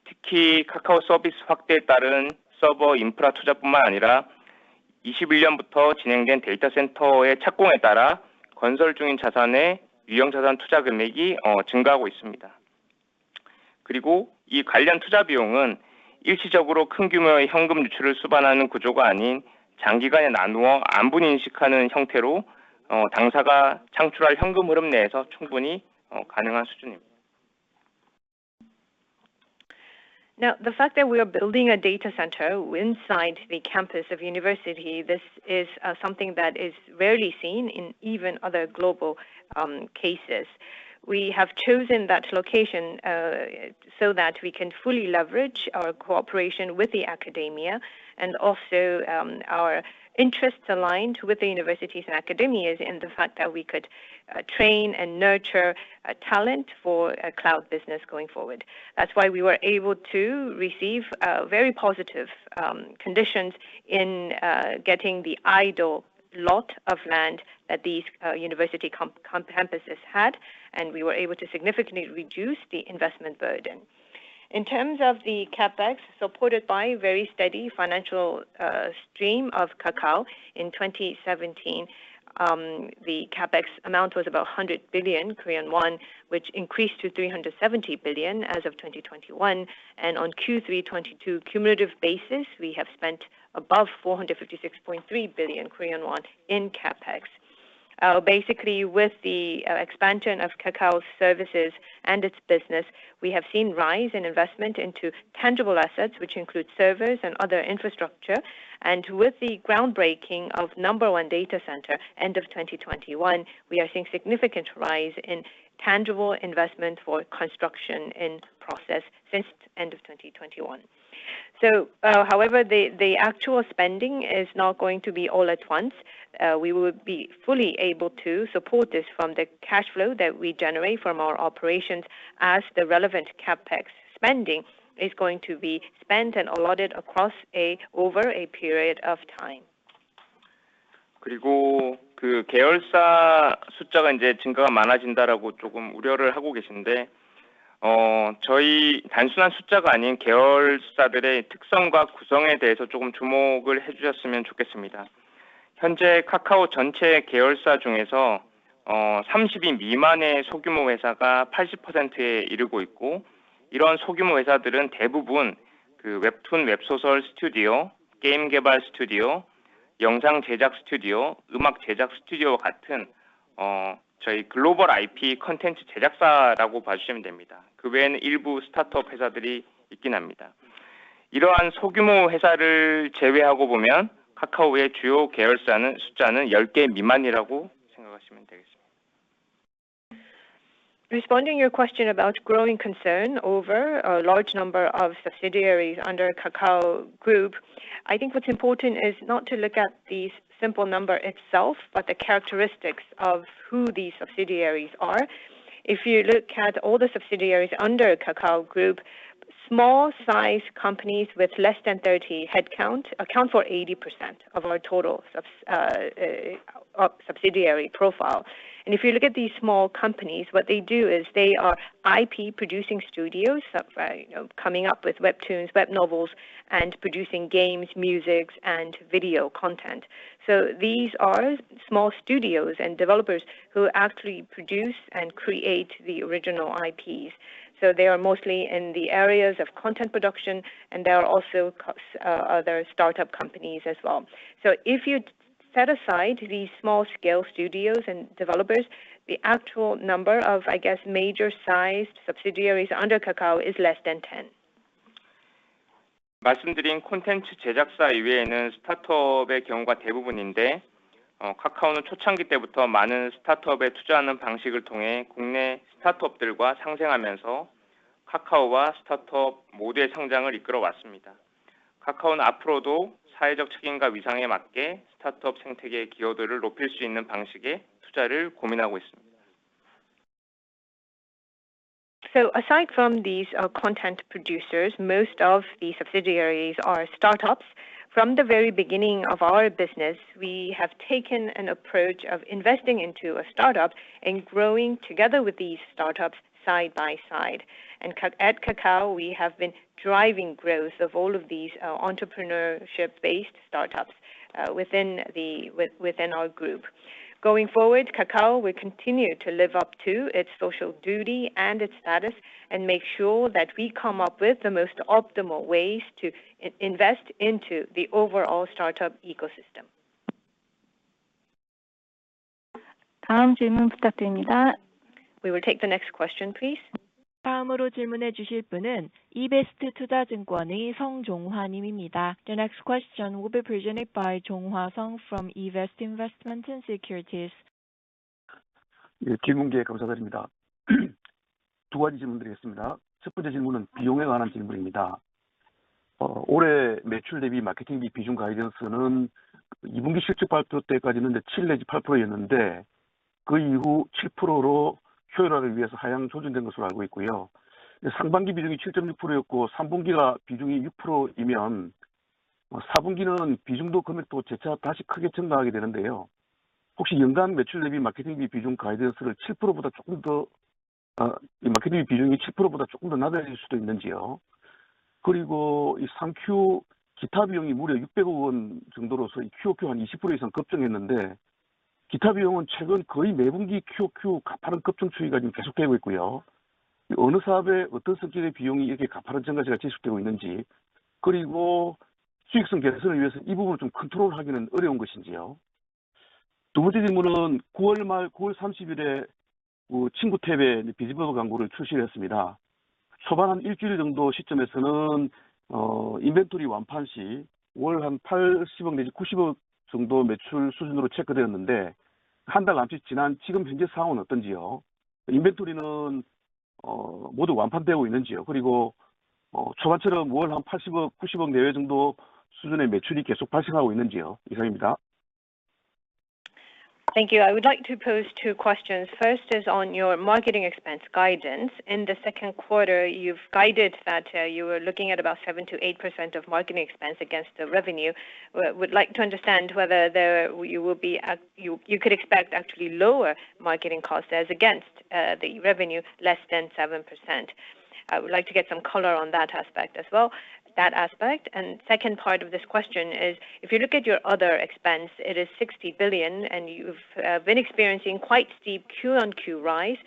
특히 카카오 서비스 확대에 따른 서버 인프라 투자뿐만 아니라 2021년부터 진행된 데이터센터의 착공에 따라 건설 중인 자산의 유형자산 투자 금액이 증가하고 있습니다. 그리고 이 관련 투자 비용은 일시적으로 큰 규모의 현금 유출을 수반하는 구조가 아닌 장기간에 나누어 안분 인식하는 형태로, 당사가 창출할 현금 흐름 내에서 충분히 가능한 수준입니다. Now, the fact that we are building a data center inside the campus of university, this is something that is rarely seen in even other global cases. We have chosen that location so that we can fully leverage our cooperation with the academia and also our interests aligned with the universities and academias in the fact that we could train and nurture talent for a cloud business going forward. That's why we were able to receive very positive conditions in getting the idle lot of land that these university campuses had, and we were able to significantly reduce the investment burden. In terms of the CapEx, supported by very steady financial stream of Kakao, in 2017, the CapEx amount was about 100 billion Korean won, which increased to 370 billion as of 2021. On Q3 2022 cumulative basis, we have spent above 456.3 billion Korean won in CapEx. Basically, with the expansion of Kakao's services and its business, we have seen rise in investment into tangible assets, which include servers and other infrastructure. With the groundbreaking of number one data center, end of 2021, we are seeing significant rise in tangible investment for construction in process since end of 2021. However, the actual spending is not going to be all at once. We will be fully able to support this from the cash flow that we generate from our operations as the relevant CapEx spending is going to be spent and allotted over a period of time. 그리고 그 계열사 숫자가 이제 증가가 많아진다라고 조금 우려를 하고 계신데, 저희 단순한 숫자가 아닌 계열사들의 특성과 구성에 대해서 조금 주목을 해주셨으면 좋겠습니다. 현재 카카오 전체 계열사 중에서 30인 미만의 소규모 회사가 80%에 이르고 있고, 이런 소규모 회사들은 대부분 그 웹툰, 웹소설 스튜디오, 게임 개발 스튜디오, 영상 제작 스튜디오, 음악 제작 스튜디오 같은 저희 글로벌 IP 콘텐츠 제작사라고 봐주시면 됩니다. 그 외에는 일부 스타트업 회사들이 있긴 합니다. 이러한 소규모 회사를 제외하고 보면 카카오의 주요 계열사는 숫자는 열개 미만이라고 생각하시면 되겠습니다. Responding your question about growing concern over a large number of subsidiaries under Kakao Group, I think what's important is not to look at the simple number itself, but the characteristics of who these subsidiaries are. If you look at all the subsidiaries under Kakao Group, small size companies with less than 30 headcount account for 80% of our total subs, subsidiary profile. If you look at these small companies, what they do is they are IP producing studios that are, you know, coming up with webtoons, web novels and producing games, musics, and video content. These are small studios and developers who actually produce and create the original IPs. They are mostly in the areas of content production, and there are also other startup companies as well. If you set aside these small scale studios and developers, the actual number of, I guess, major sized subsidiaries under Kakao is less than 10. 말씀드린 콘텐츠 제작사 이외에는 스타트업의 경우가 대부분인데, 카카오는 초창기 때부터 많은 스타트업에 투자하는 방식을 통해 국내 스타트업들과 상생하면서 카카오와 스타트업 모두의 성장을 이끌어 왔습니다. 카카오는 앞으로도 사회적 책임과 위상에 맞게 스타트업 생태계의 기여도를 높일 수 있는 방식의 투자를 고민하고 있습니다. Aside from these content producers, most of the subsidiaries are startups. From the very beginning of our business, we have taken an approach of investing into a startup and growing together with these startups side by side. At Kakao, we have been driving growth of all of these entrepreneurship based startups within our group. Going forward, Kakao will continue to live up to its social duty and its status and make sure that we come up with the most optimal ways to invest into the overall startup ecosystem. 다음 질문 부탁드립니다. We will take the next question, please. 다음으로 질문해 주실 분은 eBest Investment & Securities의 성종화 님입니다. The next question will be presented by Jong-hwa Sung from eBest Investment & Securities. 질문 기회 감사드립니다. 두 가지 질문드리겠습니다. 첫 번째 질문은 비용에 관한 질문입니다. 올해 매출 대비 마케팅비 비중 가이던스는 2분기 실적 발표 때까지는 7 내지 8%였는데 그 이후 7%로 효율화를 위해서 하향 조정된 것으로 알고 있고요. 상반기 비중이 7.6%였고, 3분기 비중이 6%이면, 4분기는 비중도 금액도 재차 다시 크게 증가하게 되는데요. 혹시 연간 매출 대비 마케팅비 비중 가이던스를 7%보다 조금 더, 이 마케팅비 비중이 7%보다 조금 더 낮아질 수도 있는지요? 그리고 이 3Q 기타 비용이 무려 600억 원 정도로서 QoQ 한 20% 이상 급증했는데, 기타 비용은 최근 거의 매분기 QoQ 가파른 급증 추이가 지금 계속되고 있고요. 어느 사업의 어떤 성격의 비용이 이렇게 가파른 증가세가 지속되고 있는지, 그리고 수익성 개선을 위해서 이 부분을 좀 컨트롤하기는 어려운 것인지요? 두 번째 질문은 9월 말, 9월 30일에 친구 탭에 Bizboard 광고를 출시했습니다. 초반 한 일주일 정도 시점에서는 인벤토리 완판 시월한 80억 내지 90억 정도 매출 수준으로 체크되었는데, 한달 남짓 지난 지금 현재 상황은 어떤지요? 인벤토리는 모두 완판되고 있는지요? 그리고 초반처럼 월한 80억, 90억 내외 정도 수준의 매출이 계속 발생하고 있는지요? 이상입니다. Thank you. I would like to pose two questions. First is on your marketing expense guidance. In the second quarter, you've guided that you were looking at about 7%-8% of marketing expense against the revenue. Would like to understand whether you could expect actually lower marketing costs as against the revenue less than 7%. I would like to get some color on that aspect as well. Second part of this question is, if you look at your other expense, it is 60 billion, and you've been experiencing quite steep QoQ rise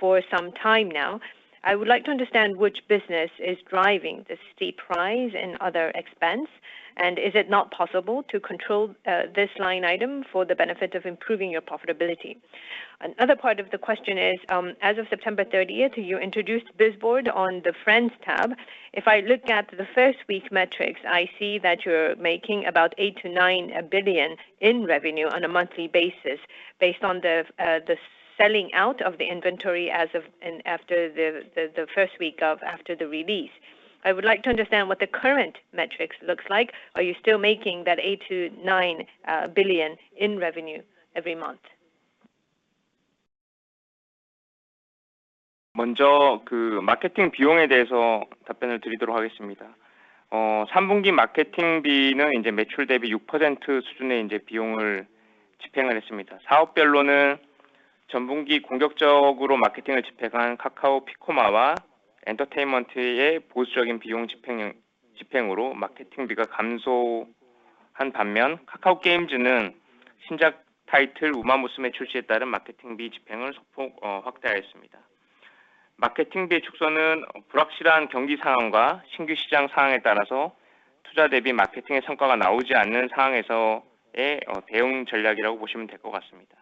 for some time now. I would like to understand which business is driving this steep rise in other expense, and is it not possible to control this line item for the benefit of improving your profitability? Another part of the question is, as of September 30th, you introduced Bizboard on the Friends Tab. If I look at the first week metrics, I see that you're making about 8 billion-9 billion in revenue on a monthly basis based on the selling out of the inventory as of and after the first week after the release. I would like to understand what the current metrics looks like. Are you still making that 8 billion-9 billion in revenue every month? 먼저 마케팅 비용에 대해서 답변을 드리도록 하겠습니다. 3분기 마케팅비는 매출 대비 6% 수준의 비용을 집행을 했습니다. 사업별로는 전 분기 공격적으로 마케팅을 집행한 카카오피코마와 엔터테인먼트의 보수적인 비용 집행으로 마케팅비가 감소한 반면, 카카오게임즈는 신작 타이틀 우마무스메 출시에 따른 마케팅비 집행을 소폭 확대하였습니다. 마케팅비의 축소는 불확실한 경기 상황과 신규 시장 상황에 따라서 투자 대비 마케팅의 성과가 나오지 않는 상황에서의 대응 전략이라고 보시면 될것 같습니다.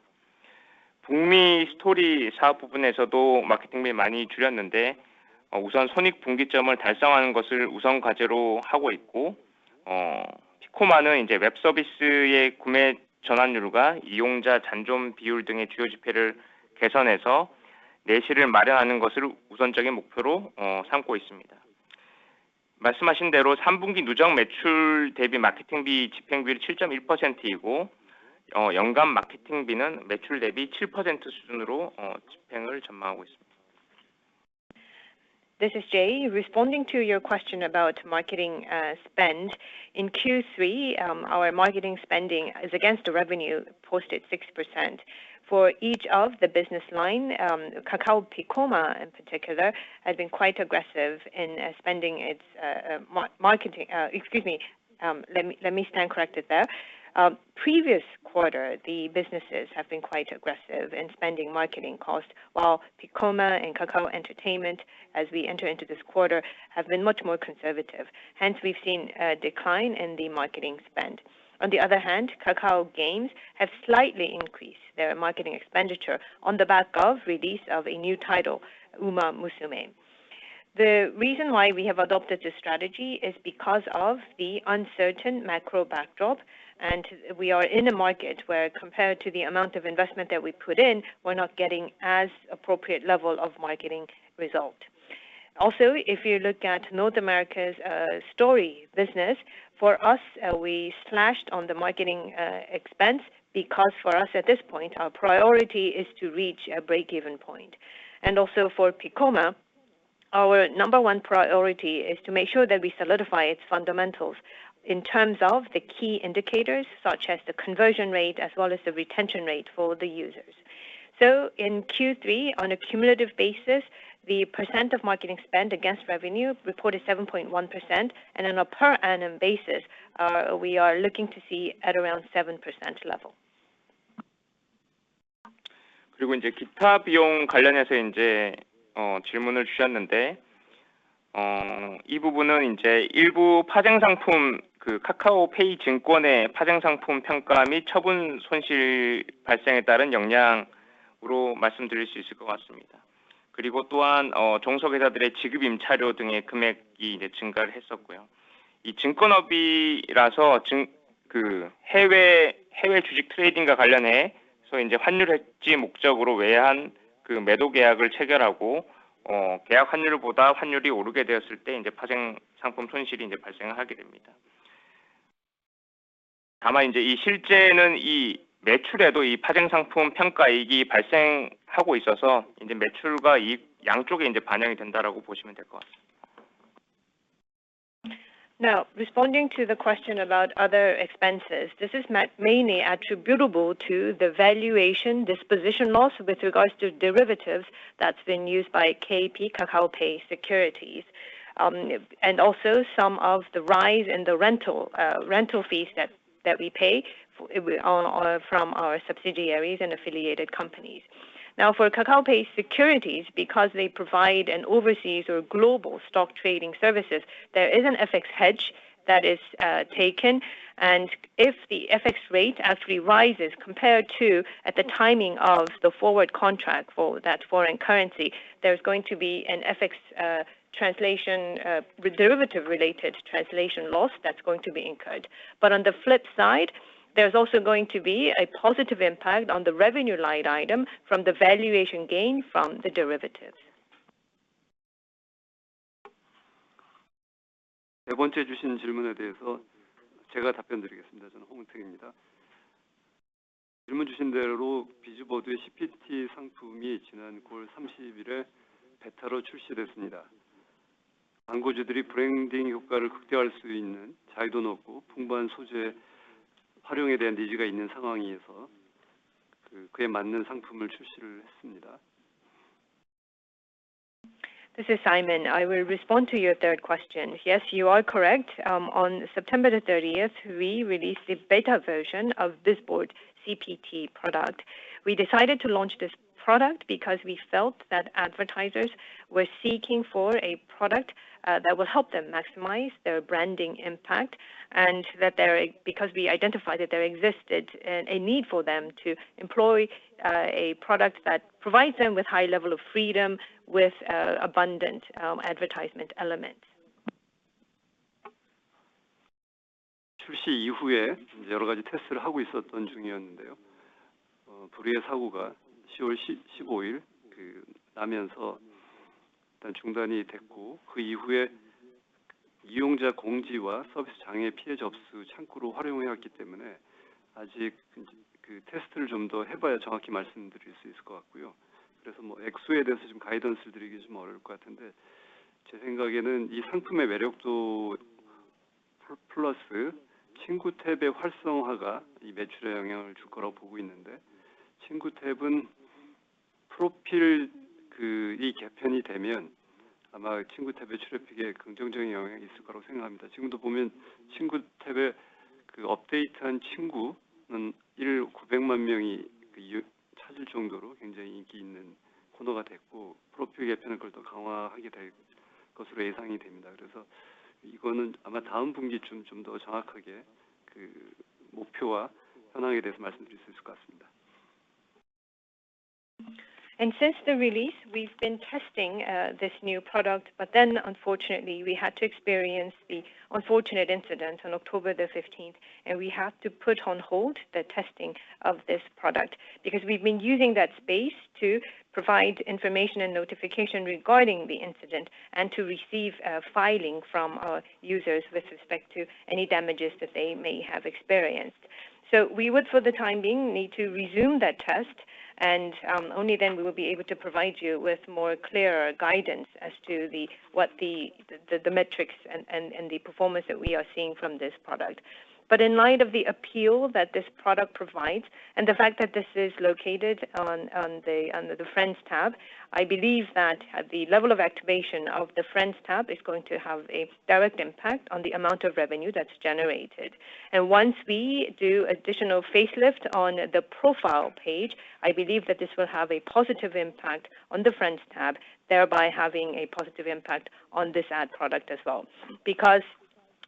북미 스토리 사업 부분에서도 마케팅비를 많이 줄였는데, 우선 손익분기점을 달성하는 것을 우선 과제로 하고 있고, 피코마는 웹 서비스의 구매 전환율과 이용자 잔존 비율 등의 주요 지표를 개선해서 내실을 마련하는 것을 우선적인 목표로 삼고 있습니다. 말씀하신 대로 3분기 누적 매출 대비 마케팅비 집행률은 7.1%이고, 연간 마케팅비는 매출 대비 7% 수준으로 집행을 전망하고 있습니다. This is Jae. Responding to your question about marketing spend. In Q3, our marketing spending is against the revenue posted 6%. For each of the business line, Kakao Piccoma in particular, has been quite aggressive in spending its marketing. Let me stand corrected there. Previous quarter, the businesses have been quite aggressive in spending marketing costs, while Piccoma and Kakao Entertainment, as we enter into this quarter, have been much more conservative. Hence, we've seen a decline in the marketing spend. On the other hand, Kakao Games have slightly increased their marketing expenditure on the back of release of a new title, Uma Musume Pretty Derby. The reason why we have adopted this strategy is because of the uncertain macro backdrop, and we are in a market where, compared to the amount of investment that we put in, we're not getting an appropriate level of marketing result. Also, if you look at North America's story business, for us, we slashed our marketing expense because for us at this point, our priority is to reach a break-even point. Also for Piccoma, our number one priority is to make sure that we solidify its fundamentals in terms of the key indicators, such as the conversion rate as well as the retention rate for the users. In Q3, on a cumulative basis, the percent of marketing spend against revenue reported 7.1%, and on a per annum basis, we are looking to see at around 7% level. 기타 비용 관련해서 질문을 주셨는데, 이 부분은 일부 파생상품, Kakao Pay 증권의 파생상품 평가 및 처분 손실 발생에 따른 영향으로 말씀드릴 수 있을 것 같습니다. 또한 종속회사들의 지급 임차료 등의 금액이 증가를 했었고요. 증권업이라서 해외 주식 트레이딩과 관련해 환율 헤지 목적으로 외환 매도 계약을 체결하고, 계약 환율보다 환율이 오르게 되었을 때 파생상품 손실이 발생을 하게 됩니다. 다만 실제는 이 매출에도 파생상품 평가이익이 발생하고 있어서 매출과 이 양쪽에 반영이 된다라고 보시면 될것 같습니다. Now, responding to the question about other expenses, this is mainly attributable to the valuation disposition loss with regards to derivatives that's been used by Kakao Pay Securities, and also some of the rise in the rental fees that we pay from our subsidiaries and affiliated companies. Now, for Kakao Pay Securities, because they provide an overseas or global stock trading services, there is an FX hedge that is taken. And if the FX rate actually rises compared to at the timing of the forward contract for that foreign currency, there's going to be an FX translation derivative related translation loss that's going to be incurred. On the flip side, there's also going to be a positive impact on the revenue line item from the valuation gain from the derivative. 네 번째 주신 질문에 대해서 제가 답변드리겠습니다. 저는 홍은택입니다. 질문 주신 대로 Bizboard의 CPT 상품이 지난 9월 30일에 베타로 출시됐습니다. 광고주들이 브랜딩 효과를 극대화할 수 있는 자유도 높고 풍부한 소재 활용에 대한 니즈가 있는 상황에서 그에 맞는 상품을 출시를 했습니다. This is Simon. I will respond to your third question. Yes, you are correct. On September 30th, we released the beta version of Bizboard CPT product. We decided to launch this product because we felt that advertisers were seeking for a product that will help them maximize their branding impact, and that, because we identified that there existed a need for them to employ a product that provides them with high level of freedom, with abundant advertisement elements. 출시 이후에 여러 가지 테스트를 하고 있었던 중이었는데요. 불의의 사고가 10월 15일 나면서 일단 중단이 됐고, 그 이후에 이용자 공지와 서비스 장애 피해 접수 창구로 활용해 왔기 때문에 아직 그 테스트를 좀더 해봐야 정확히 말씀드릴 수 있을 것 같고요. 그래서 액수에 대해서 지금 가이던스를 드리기 좀 어려울 것 같은데, 제 생각에는 이 상품의 매력도 플러스 친구 탭의 활성화가 이 매출에 영향을 줄 거라고 보고 있는데, 친구 탭은 프로필 개편이 되면 아마 친구 탭의 트래픽에 긍정적인 영향이 있을 거라고 생각합니다. 지금도 보면 친구 탭에 업데이트한 친구는 일 구백만 명이 찾을 정도로 굉장히 인기 있는 코너가 됐고, 프로필 개편은 그걸 더 강화하게 될 것으로 예상이 됩니다. 그래서 이거는 아마 다음 분기쯤 좀더 정확하게 목표와 현황에 대해서 말씀드릴 수 있을 것 같습니다. Since the release, we've been testing this new product. Unfortunately we had to experience the unfortunate incident on October 15th, and we have to put on hold the testing of this product because we've been using that space to provide information and notification regarding the incident and to receive filing from our users with respect to any damages that they may have experienced. We would, for the time being, need to resume that test and only then we will be able to provide you with more clearer guidance as to the metrics and the performance that we are seeing from this product. In light of the appeal that this product provides and the fact that this is located under the Friends Tab, I believe that the level of activation of the Friends Tab is going to have a direct impact on the amount of revenue that's generated. Once we do additional facelift on the profile page, I believe that this will have a positive impact on the Friends Tab, thereby having a positive impact on this ad product as well.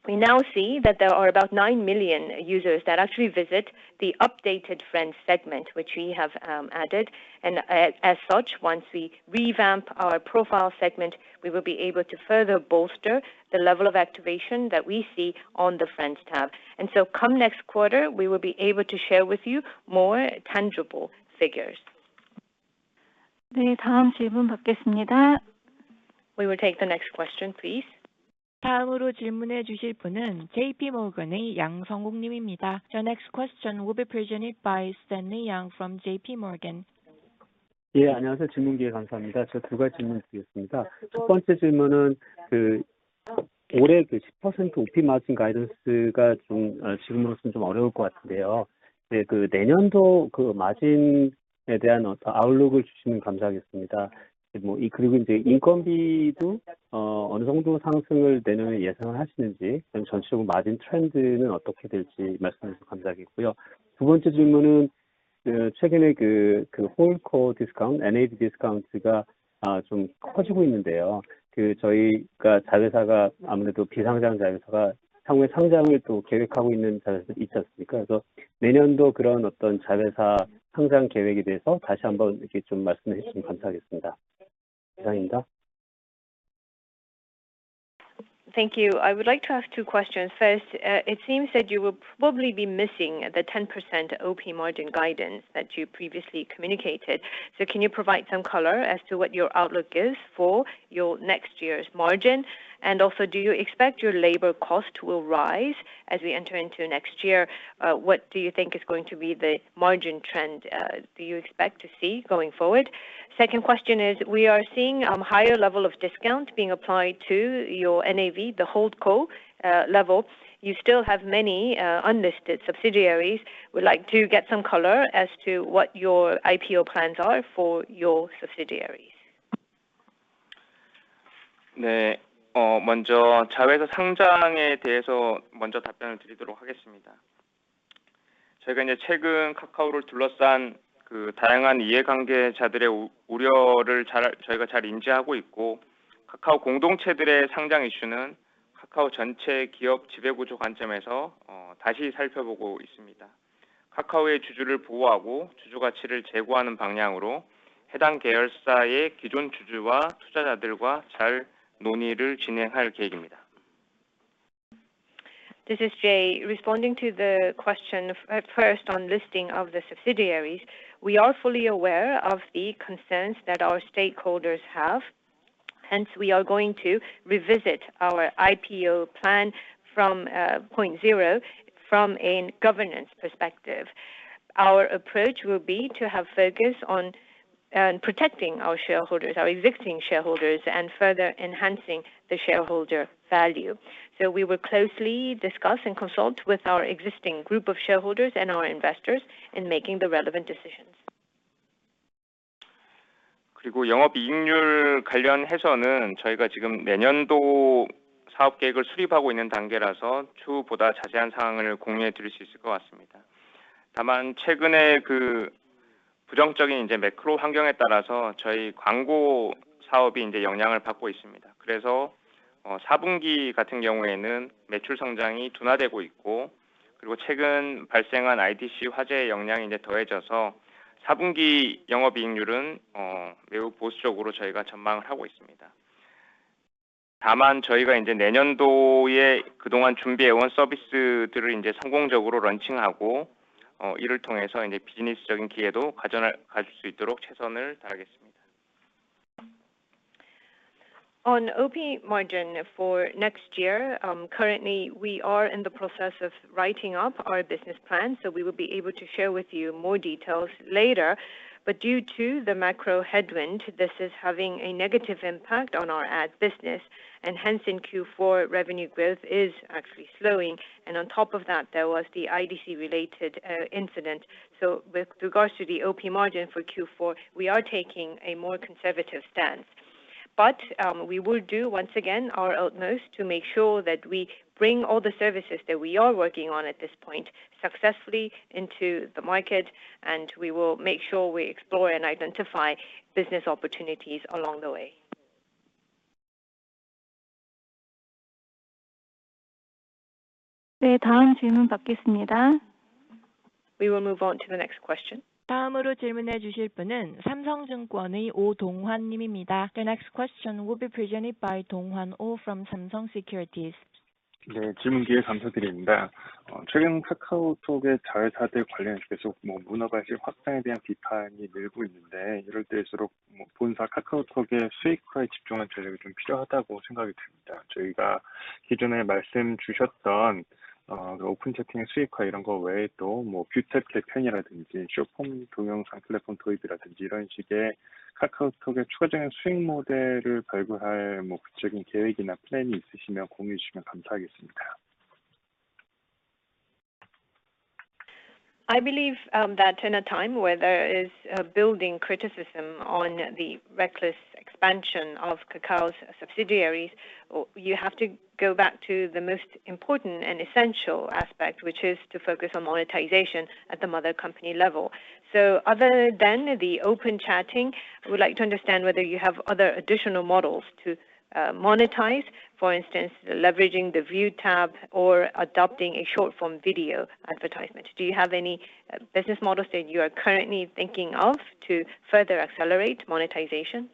We now see that there are about 9 million users that actually visit the updated friends segment, which we have added. As such, once we revamp our profile segment, we will be able to further bolster the level of activation that we see on the Friends Tab. Come next quarter, we will be able to share with you more tangible figures. 네, 다음 질문 받겠습니다. We will take the next question, please. 다음으로 질문해 주실 분은 JPMorgan의 양성욱 님입니다. Your next question will be presented by Stanley Yang from JPMorgan. 안녕하세요. 질문 기회 감사합니다. 두 가지 질문드리겠습니다. 첫 번째 질문은 올해 10% OP 마진 가이던스가 지금으로서는 좀 어려울 것 같은데요. 내년도 마진에 대한 어떤 아웃룩을 주시면 감사하겠습니다. 그리고 인건비도 어느 정도 상승을 내년에 예상을 하시는지, 그다음에 전체적으로 마진 트렌드는 어떻게 될지 말씀해 주시면 감사하겠고요. 두 번째 질문은 최근에 Holdco discount, NAV discount가 좀 커지고 있는데요. 저희가 자회사가 아무래도 비상장 자회사가 향후에 상장을 또 계획하고 있는 자회사도 있지 않습니까? 그래서 내년도 그런 어떤 자회사 상장 계획에 대해서 다시 한번 좀 말씀해 주시면 감사하겠습니다. 이상입니다. Thank you. I would like to ask two questions. First, it seems that you will probably be missing the 10% OP margin guidance that you previously communicated. Can you provide some color as to what your outlook is for your next year's margin? And also, do you expect your labor cost will rise as we enter into next year? What do you think is going to be the margin trend, do you expect to see going forward? Second question is we are seeing higher level of discount being applied to your NAV, the Holdco level. You still have many unlisted subsidiaries. Would like to get some color as to what your IPO plans are for your subsidiaries? 먼저 자회사 상장에 대해서 먼저 답변을 드리도록 하겠습니다. 저희가 이제 최근 카카오를 둘러싼 그 다양한 이해관계자들의 우려를 잘 인지하고 있고, 카카오 공동체들의 상장 이슈는 카카오 전체 기업 지배구조 관점에서 다시 살펴보고 있습니다. 카카오의 주주를 보호하고 주주 가치를 제고하는 방향으로 해당 계열사의 기존 주주와 투자자들과 잘 논의를 진행할 계획입니다. This is Jae, responding to the question, first on listing of the subsidiaries. We are fully aware of the concerns that our stakeholders have. Hence, we are going to revisit our IPO plan from point zero from a governance perspective. Our approach will be to have focus on protecting our shareholders, our existing shareholders, and further enhancing the shareholder value. We will closely discuss and consult with our existing group of shareholders and our investors in making the relevant decisions. 그리고 영업이익률 관련해서는 저희가 지금 내년도 사업 계획을 수립하고 있는 단계라서 추후 보다 자세한 사항을 공유해 드릴 수 있을 것 같습니다. 다만 최근의 그 부정적인 매크로 환경에 따라서 저희 광고 사업이 영향을 받고 있습니다. 사분기 같은 경우에는 매출 성장이 둔화되고 있고, 최근 발생한 IDC 화재의 영향이 더해져서 사분기 영업이익률은 매우 보수적으로 저희가 전망을 하고 있습니다. 다만 저희가 내년도에 그동안 준비해 온 서비스들을 성공적으로 런칭하고, 이를 통해서 비즈니스적인 기회도 가질 수 있도록 최선을 다하겠습니다. On OP margin for next year, currently we are in the process of writing up our business plan, so we will be able to share with you more details later. Due to the macro headwind, this is having a negative impact on our ad business, and hence in Q4, revenue growth is actually slowing. On top of that, there was the IDC related incident. With regards to the OP margin for Q4, we are taking a more conservative stance. We will do once again our utmost to make sure that we bring all the services that we are working on at this point successfully into the market, and we will make sure we explore and identify business opportunities along the way. We will move on to the next question. The next question will be presented by Donghwan Oh from Samsung Securities. I believe that in a time where there is a building criticism on the reckless expansion of Kakao's subsidiaries, you have to go back to the most important and essential aspect, which is to focus on monetization at the mother company level. Other than the open chatting, I would like to understand whether you have other additional models to monetize, for instance, leveraging the view tab or adopting a short form video advertisement. Do you have any business models that you are currently thinking of to further accelerate monetization?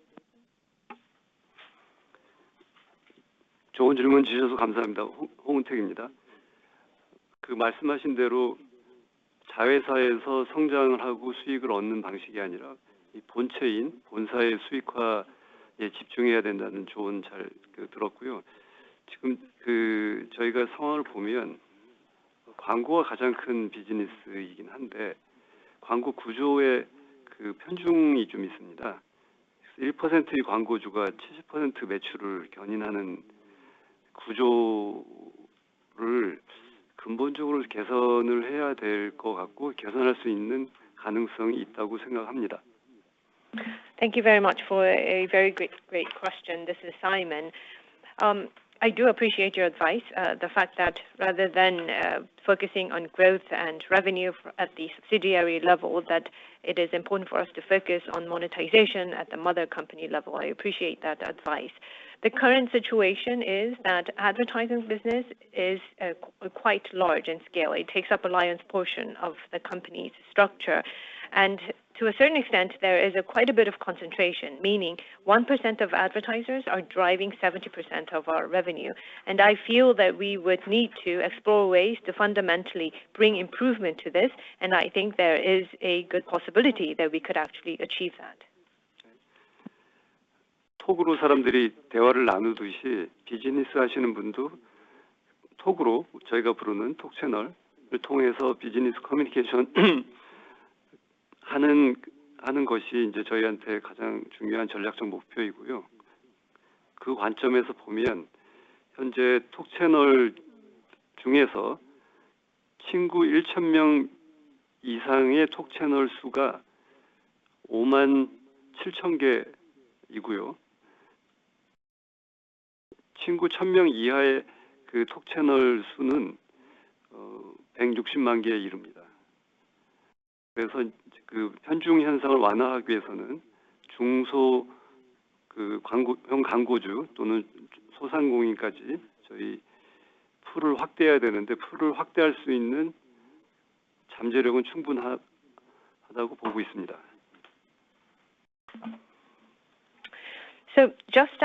Thank you very much for a very great question. This is Simon. I do appreciate your advice, the fact that rather than focusing on growth and revenue at the subsidiary level, that it is important for us to focus on monetization at the mother company level. I appreciate that advice. The current situation is that advertising business is quite large in scale. It takes up a lion's portion of the company's structure. To a certain extent, there is quite a bit of concentration, meaning 1% of advertisers are driving 70% of our revenue. I feel that we would need to explore ways to fundamentally bring improvement to this, and I think there is a good possibility that we could actually achieve that. Just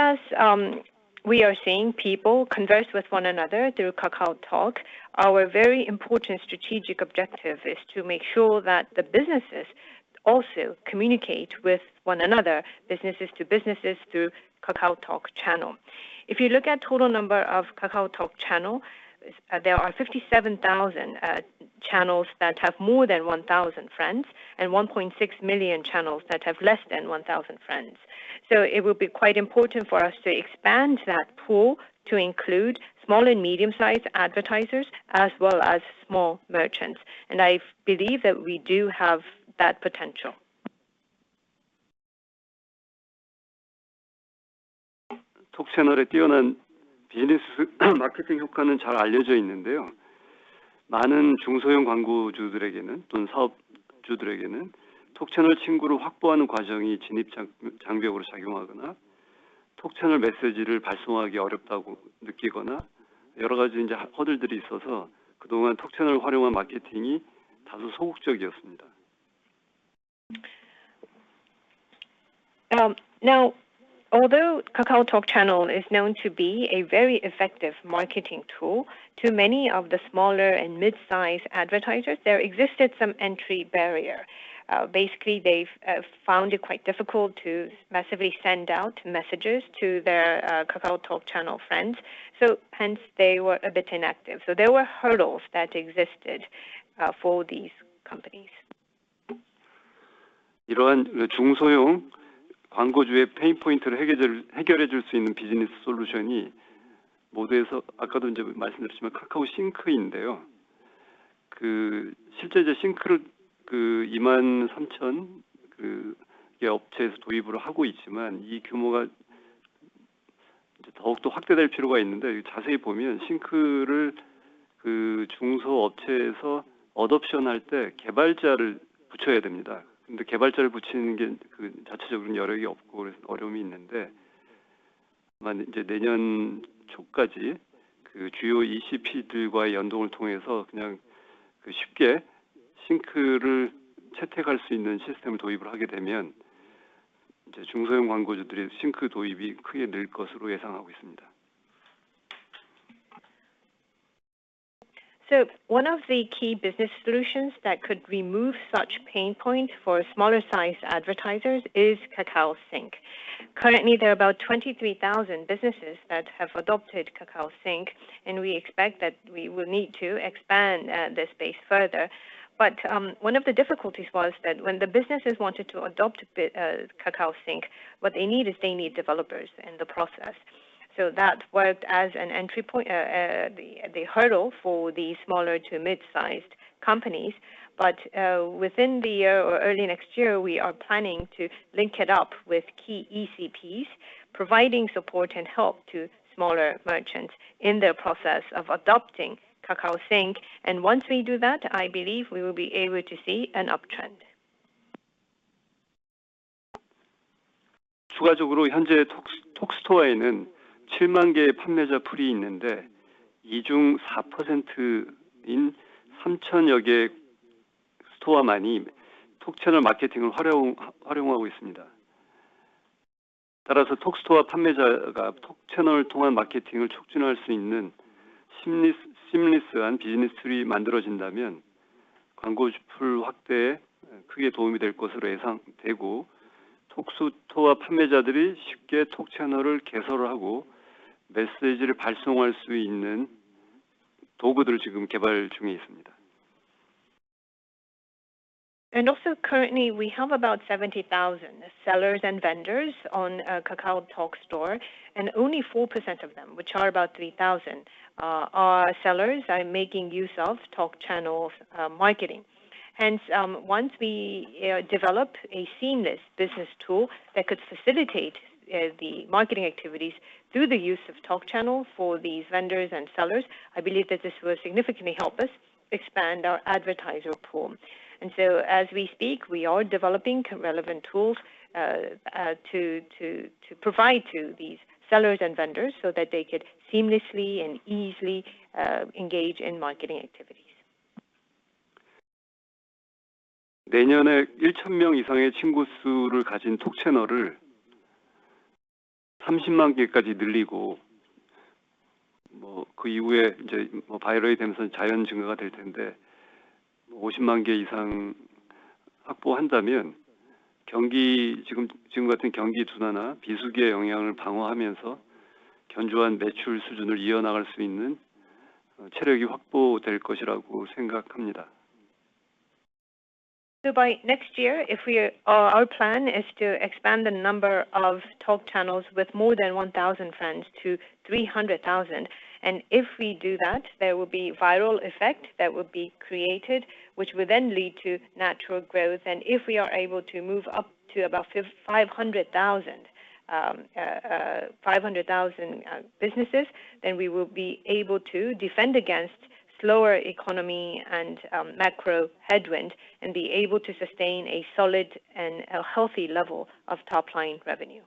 as we are seeing people converse with one another through KakaoTalk, our very important strategic objective is to make sure that the businesses also communicate with one another, businesses to businesses, through KakaoTalk Channel. If you look at total number of KakaoTalk Channel, there are 57,000 channels that have more than 1,000 friends, and 1.6 million channels that have less than 1,000 friends. It will be quite important for us to expand that pool to include small and medium-sized advertisers, as well as small merchants. I believe that we do have that potential. Although KakaoTalk Channel is known to be a very effective marketing tool to many of the smaller and mid-size advertisers, there existed some entry barrier. Basically, they've found it quite difficult to massively send out messages to their KakaoTalk Channel friends, so hence, they were a bit inactive. There were hurdles that existed for these companies. One of the key business solutions that could remove such pain point for smaller sized advertisers is Kakao Sync. Currently, there are about 23,000 businesses that have adopted Kakao Sync, and we expect that we will need to expand this space further. One of the difficulties was that when the businesses wanted to adopt Kakao Sync, what they need is developers in the process. That worked as an entry point, the hurdle for the smaller to mid-sized companies. Within the year or early next year, we are planning to link it up with key ECPs, providing support and help to smaller merchants in their process of adopting Kakao Sync. Once we do that, I believe we will be able to see an uptrend. Also currently, we have about 70,000 sellers and vendors on KakaoTalk Store, and only 4% of them, which are about 3,000, are sellers making use of Talk Channel marketing. Hence, once we develop a seamless business tool that could facilitate the marketing activities through the use of Talk Channel for these vendors and sellers, I believe that this will significantly help us expand our advertiser pool. As we speak, we are developing relevant tools to provide to these sellers and vendors so that they could seamlessly and easily engage in marketing activities. By next year, our plan is to expand the number of Talk Channels with more than 1,000 friends to 300,000. If we do that, there will be viral effect that will be created, which will then lead to natural growth. If we are able to move up to about 500,000 businesses, then we will be able to defend against slower economy and macro headwind and be able to sustain a solid and a healthy level of top line revenue.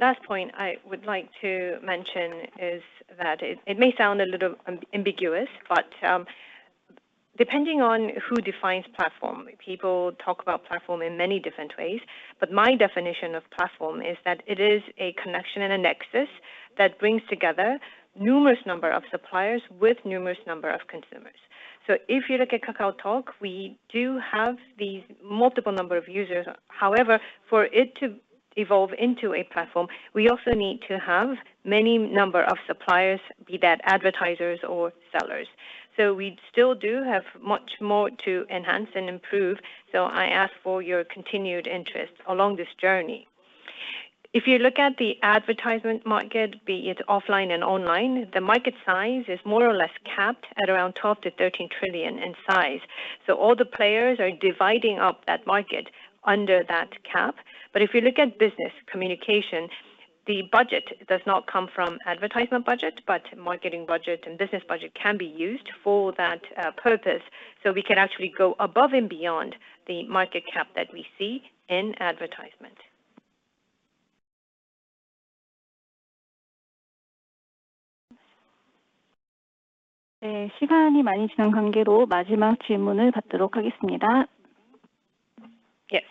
Last point I would like to mention is that it may sound a little ambiguous, but depending on who defines platform, people talk about platform in many different ways. But my definition of platform is that it is a connection and a nexus that brings together numerous number of suppliers with numerous number of consumers. If you look at KakaoTalk, we do have these multiple number of users. However, for it to evolve into a platform, we also need to have many number of suppliers, be that advertisers or sellers. We still do have much more to enhance and improve, so I ask for your continued interest along this journey. If you look at the advertisement market, be it offline and online, the market size is more or less capped at around 12 trillion-13 trillion in size. All the players are dividing up that market under that cap. If you look at business communication, the budget does not come from advertisement budget, but marketing budget and business budget can be used for that purpose. We can actually go above and beyond the market cap that we see in advertisement. Yes.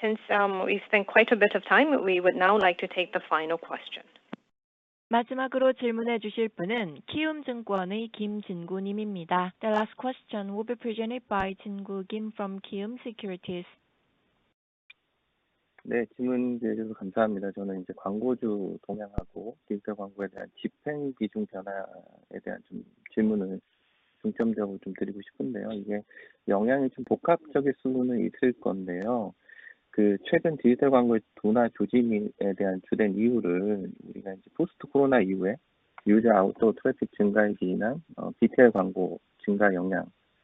Since we've spent quite a bit of time, we would now like to take the final question. The last question will be presented by Jin-goo Kim from Kiwoom Securities. Thank you. I would like to ask questions about the advertisers as well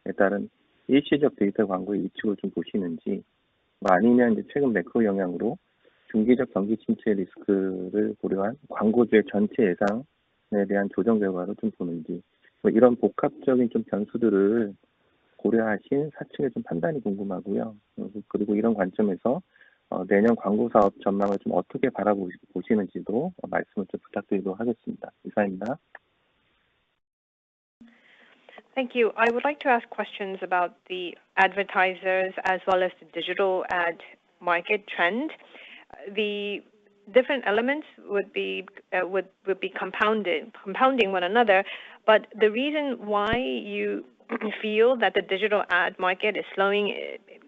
as the digital ad market trend. The different elements would be compounding one another. The reason why you feel that the digital ad market is slowing,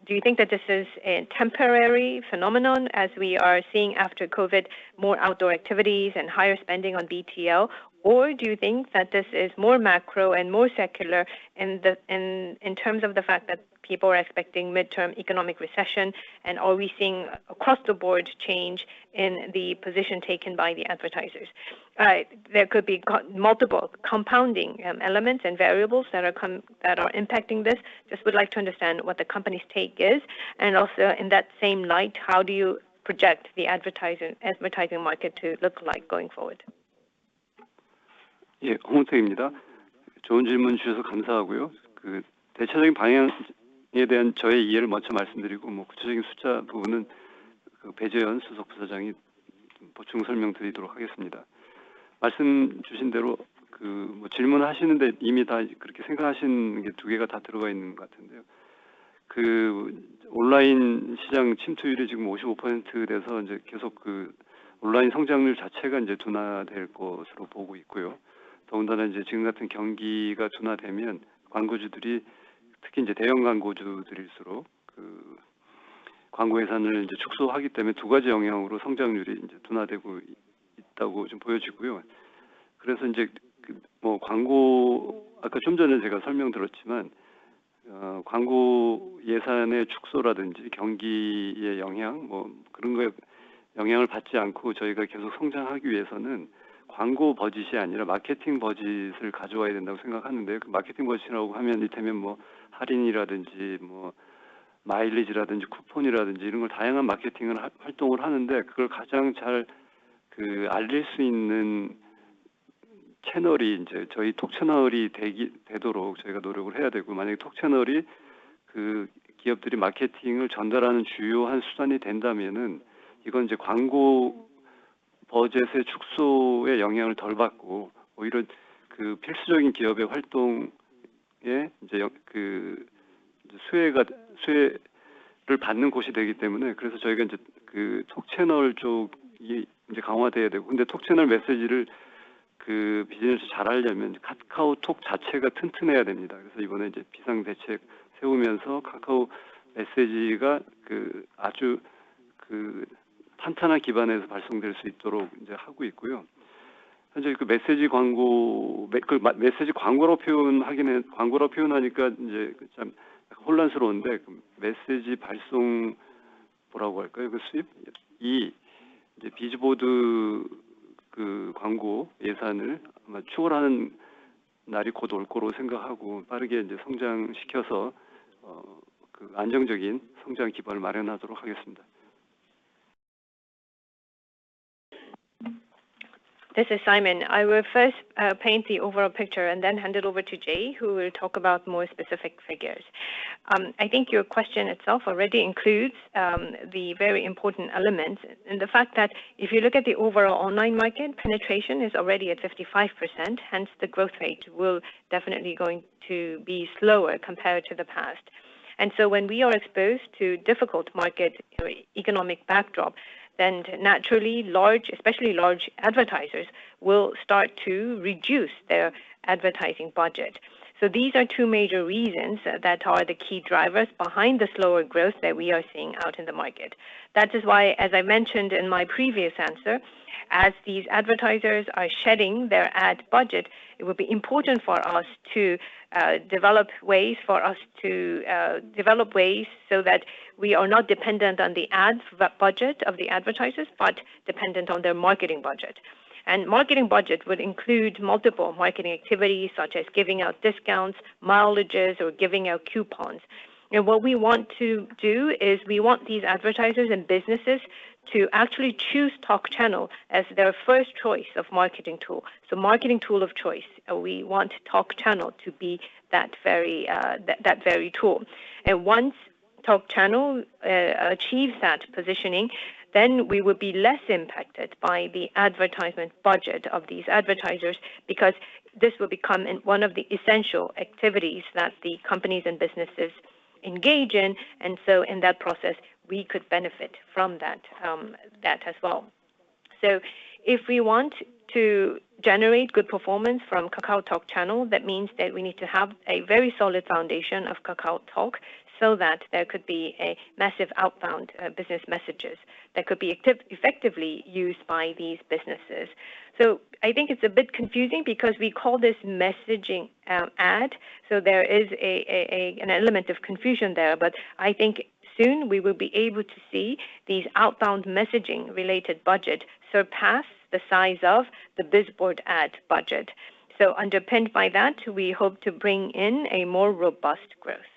do you think that this is a temporary phenomenon as we are seeing after COVID-19 more outdoor activities and higher spending on BTL? Or do you think that this is more macro and more secular in terms of the fact that people are expecting midterm economic recession, and are we seeing across the board change in the position taken by the advertisers? There could be multiple compounding elements and variables that are impacting this. Just would like to understand what the company's take is, and also in that same light, how do you project the advertising market to look like going forward? This is Simon. I will first paint the overall picture and then hand it over to Jae, who will talk about more specific figures. I think your question itself already includes the very important elements in the fact that if you look at the overall online market, penetration is already at 55%, hence the growth rate will definitely going to be slower compared to the past. When we are exposed to difficult market economic backdrop, then naturally large, especially large advertisers will start to reduce their advertising budget. These are two major reasons that are the key drivers behind the slower growth that we are seeing out in the market. That is why, as I mentioned in my previous answer, as these advertisers are shedding their ad budget, it will be important for us to develop ways so that we are not dependent on the ads, the budget of the advertisers, but dependent on their marketing budget. Marketing budget would include multiple marketing activities such as giving out discounts, mileages, or giving out coupons. What we want to do is we want these advertisers and businesses to actually choose KakaoTalk Channel as their first choice of marketing tool. Marketing tool of choice, we want KakaoTalk Channel to be that very tool. Once KakaoTalk Channel achieves that positioning, then we will be less impacted by the advertisement budget of these advertisers because this will become an One of the essential activities that the companies and businesses engage in. In that process, we could benefit from that as well. If we want to generate good performance from KakaoTalk Channel, that means that we need to have a very solid foundation of KakaoTalk so that there could be a massive outbound business messages that could be effectively used by these businesses. I think it's a bit confusing because we call this messaging ad, so there is an element of confusion there. I think soon we will be able to see these outbound messaging related budget surpass the size of the Bizboard ad budget. Underpinned by that, we hope to bring in a more robust growth.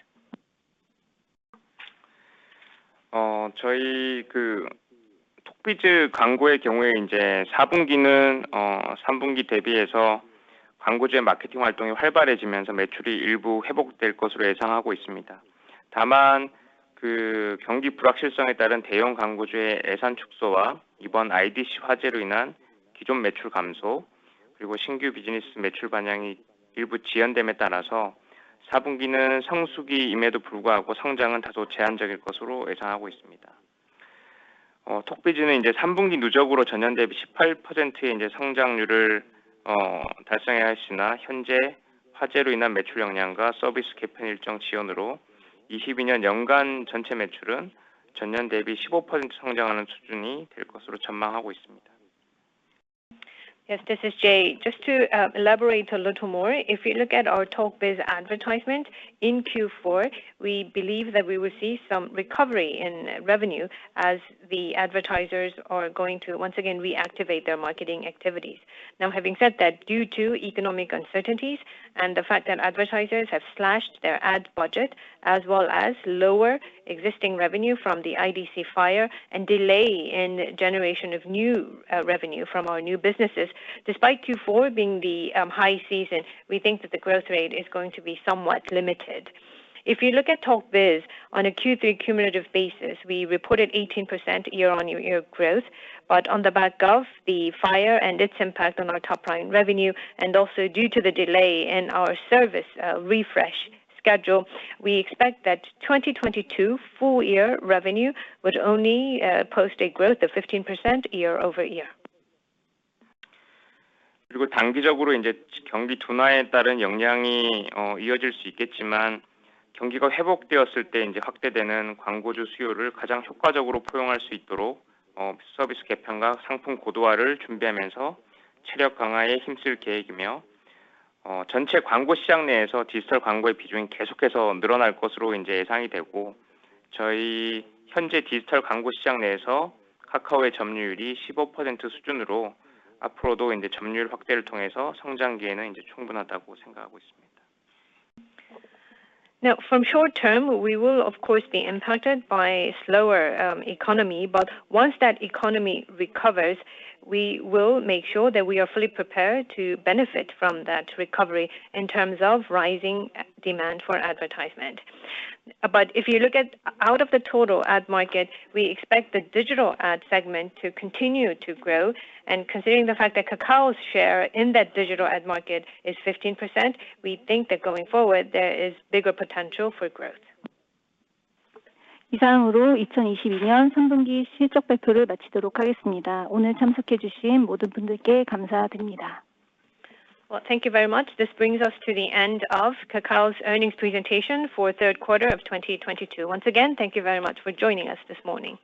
Yes. This is Jae. Just to elaborate a little more, if you look at our Talk Biz advertisement, in Q4, we believe that we will see some recovery in revenue as the advertisers are going to once again reactivate their marketing activities. Now, having said that, due to economic uncertainties and the fact that advertisers have slashed their ad budget as well as lower existing revenue from the IDC fire and delay in generation of new revenue from our new businesses, despite Q4 being the high season, we think that the growth rate is going to be somewhat limited. If you look at Talk Biz on a Q3 cumulative basis, we reported 18% year-on-year growth. On the back of the fire and its impact on our top line revenue and also due to the delay in our service, refresh schedule, we expect that 2022 full year revenue would only post a growth of 15% year-over-year. Now, from short term we will of course be impacted by slower economy, but once that economy recovers, we will make sure that we are fully prepared to benefit from that recovery in terms of rising demand for advertisement. If you look at out of the total ad market, we expect the digital ad segment to continue to grow. And considering the fact that Kakao's share in that digital ad market is 15%, we think that going forward there is bigger potential for growth. Well, thank you very much. This brings us to the end of Kakao's earnings presentation for third quarter of 2022. Once again, thank you very much for joining us this morning.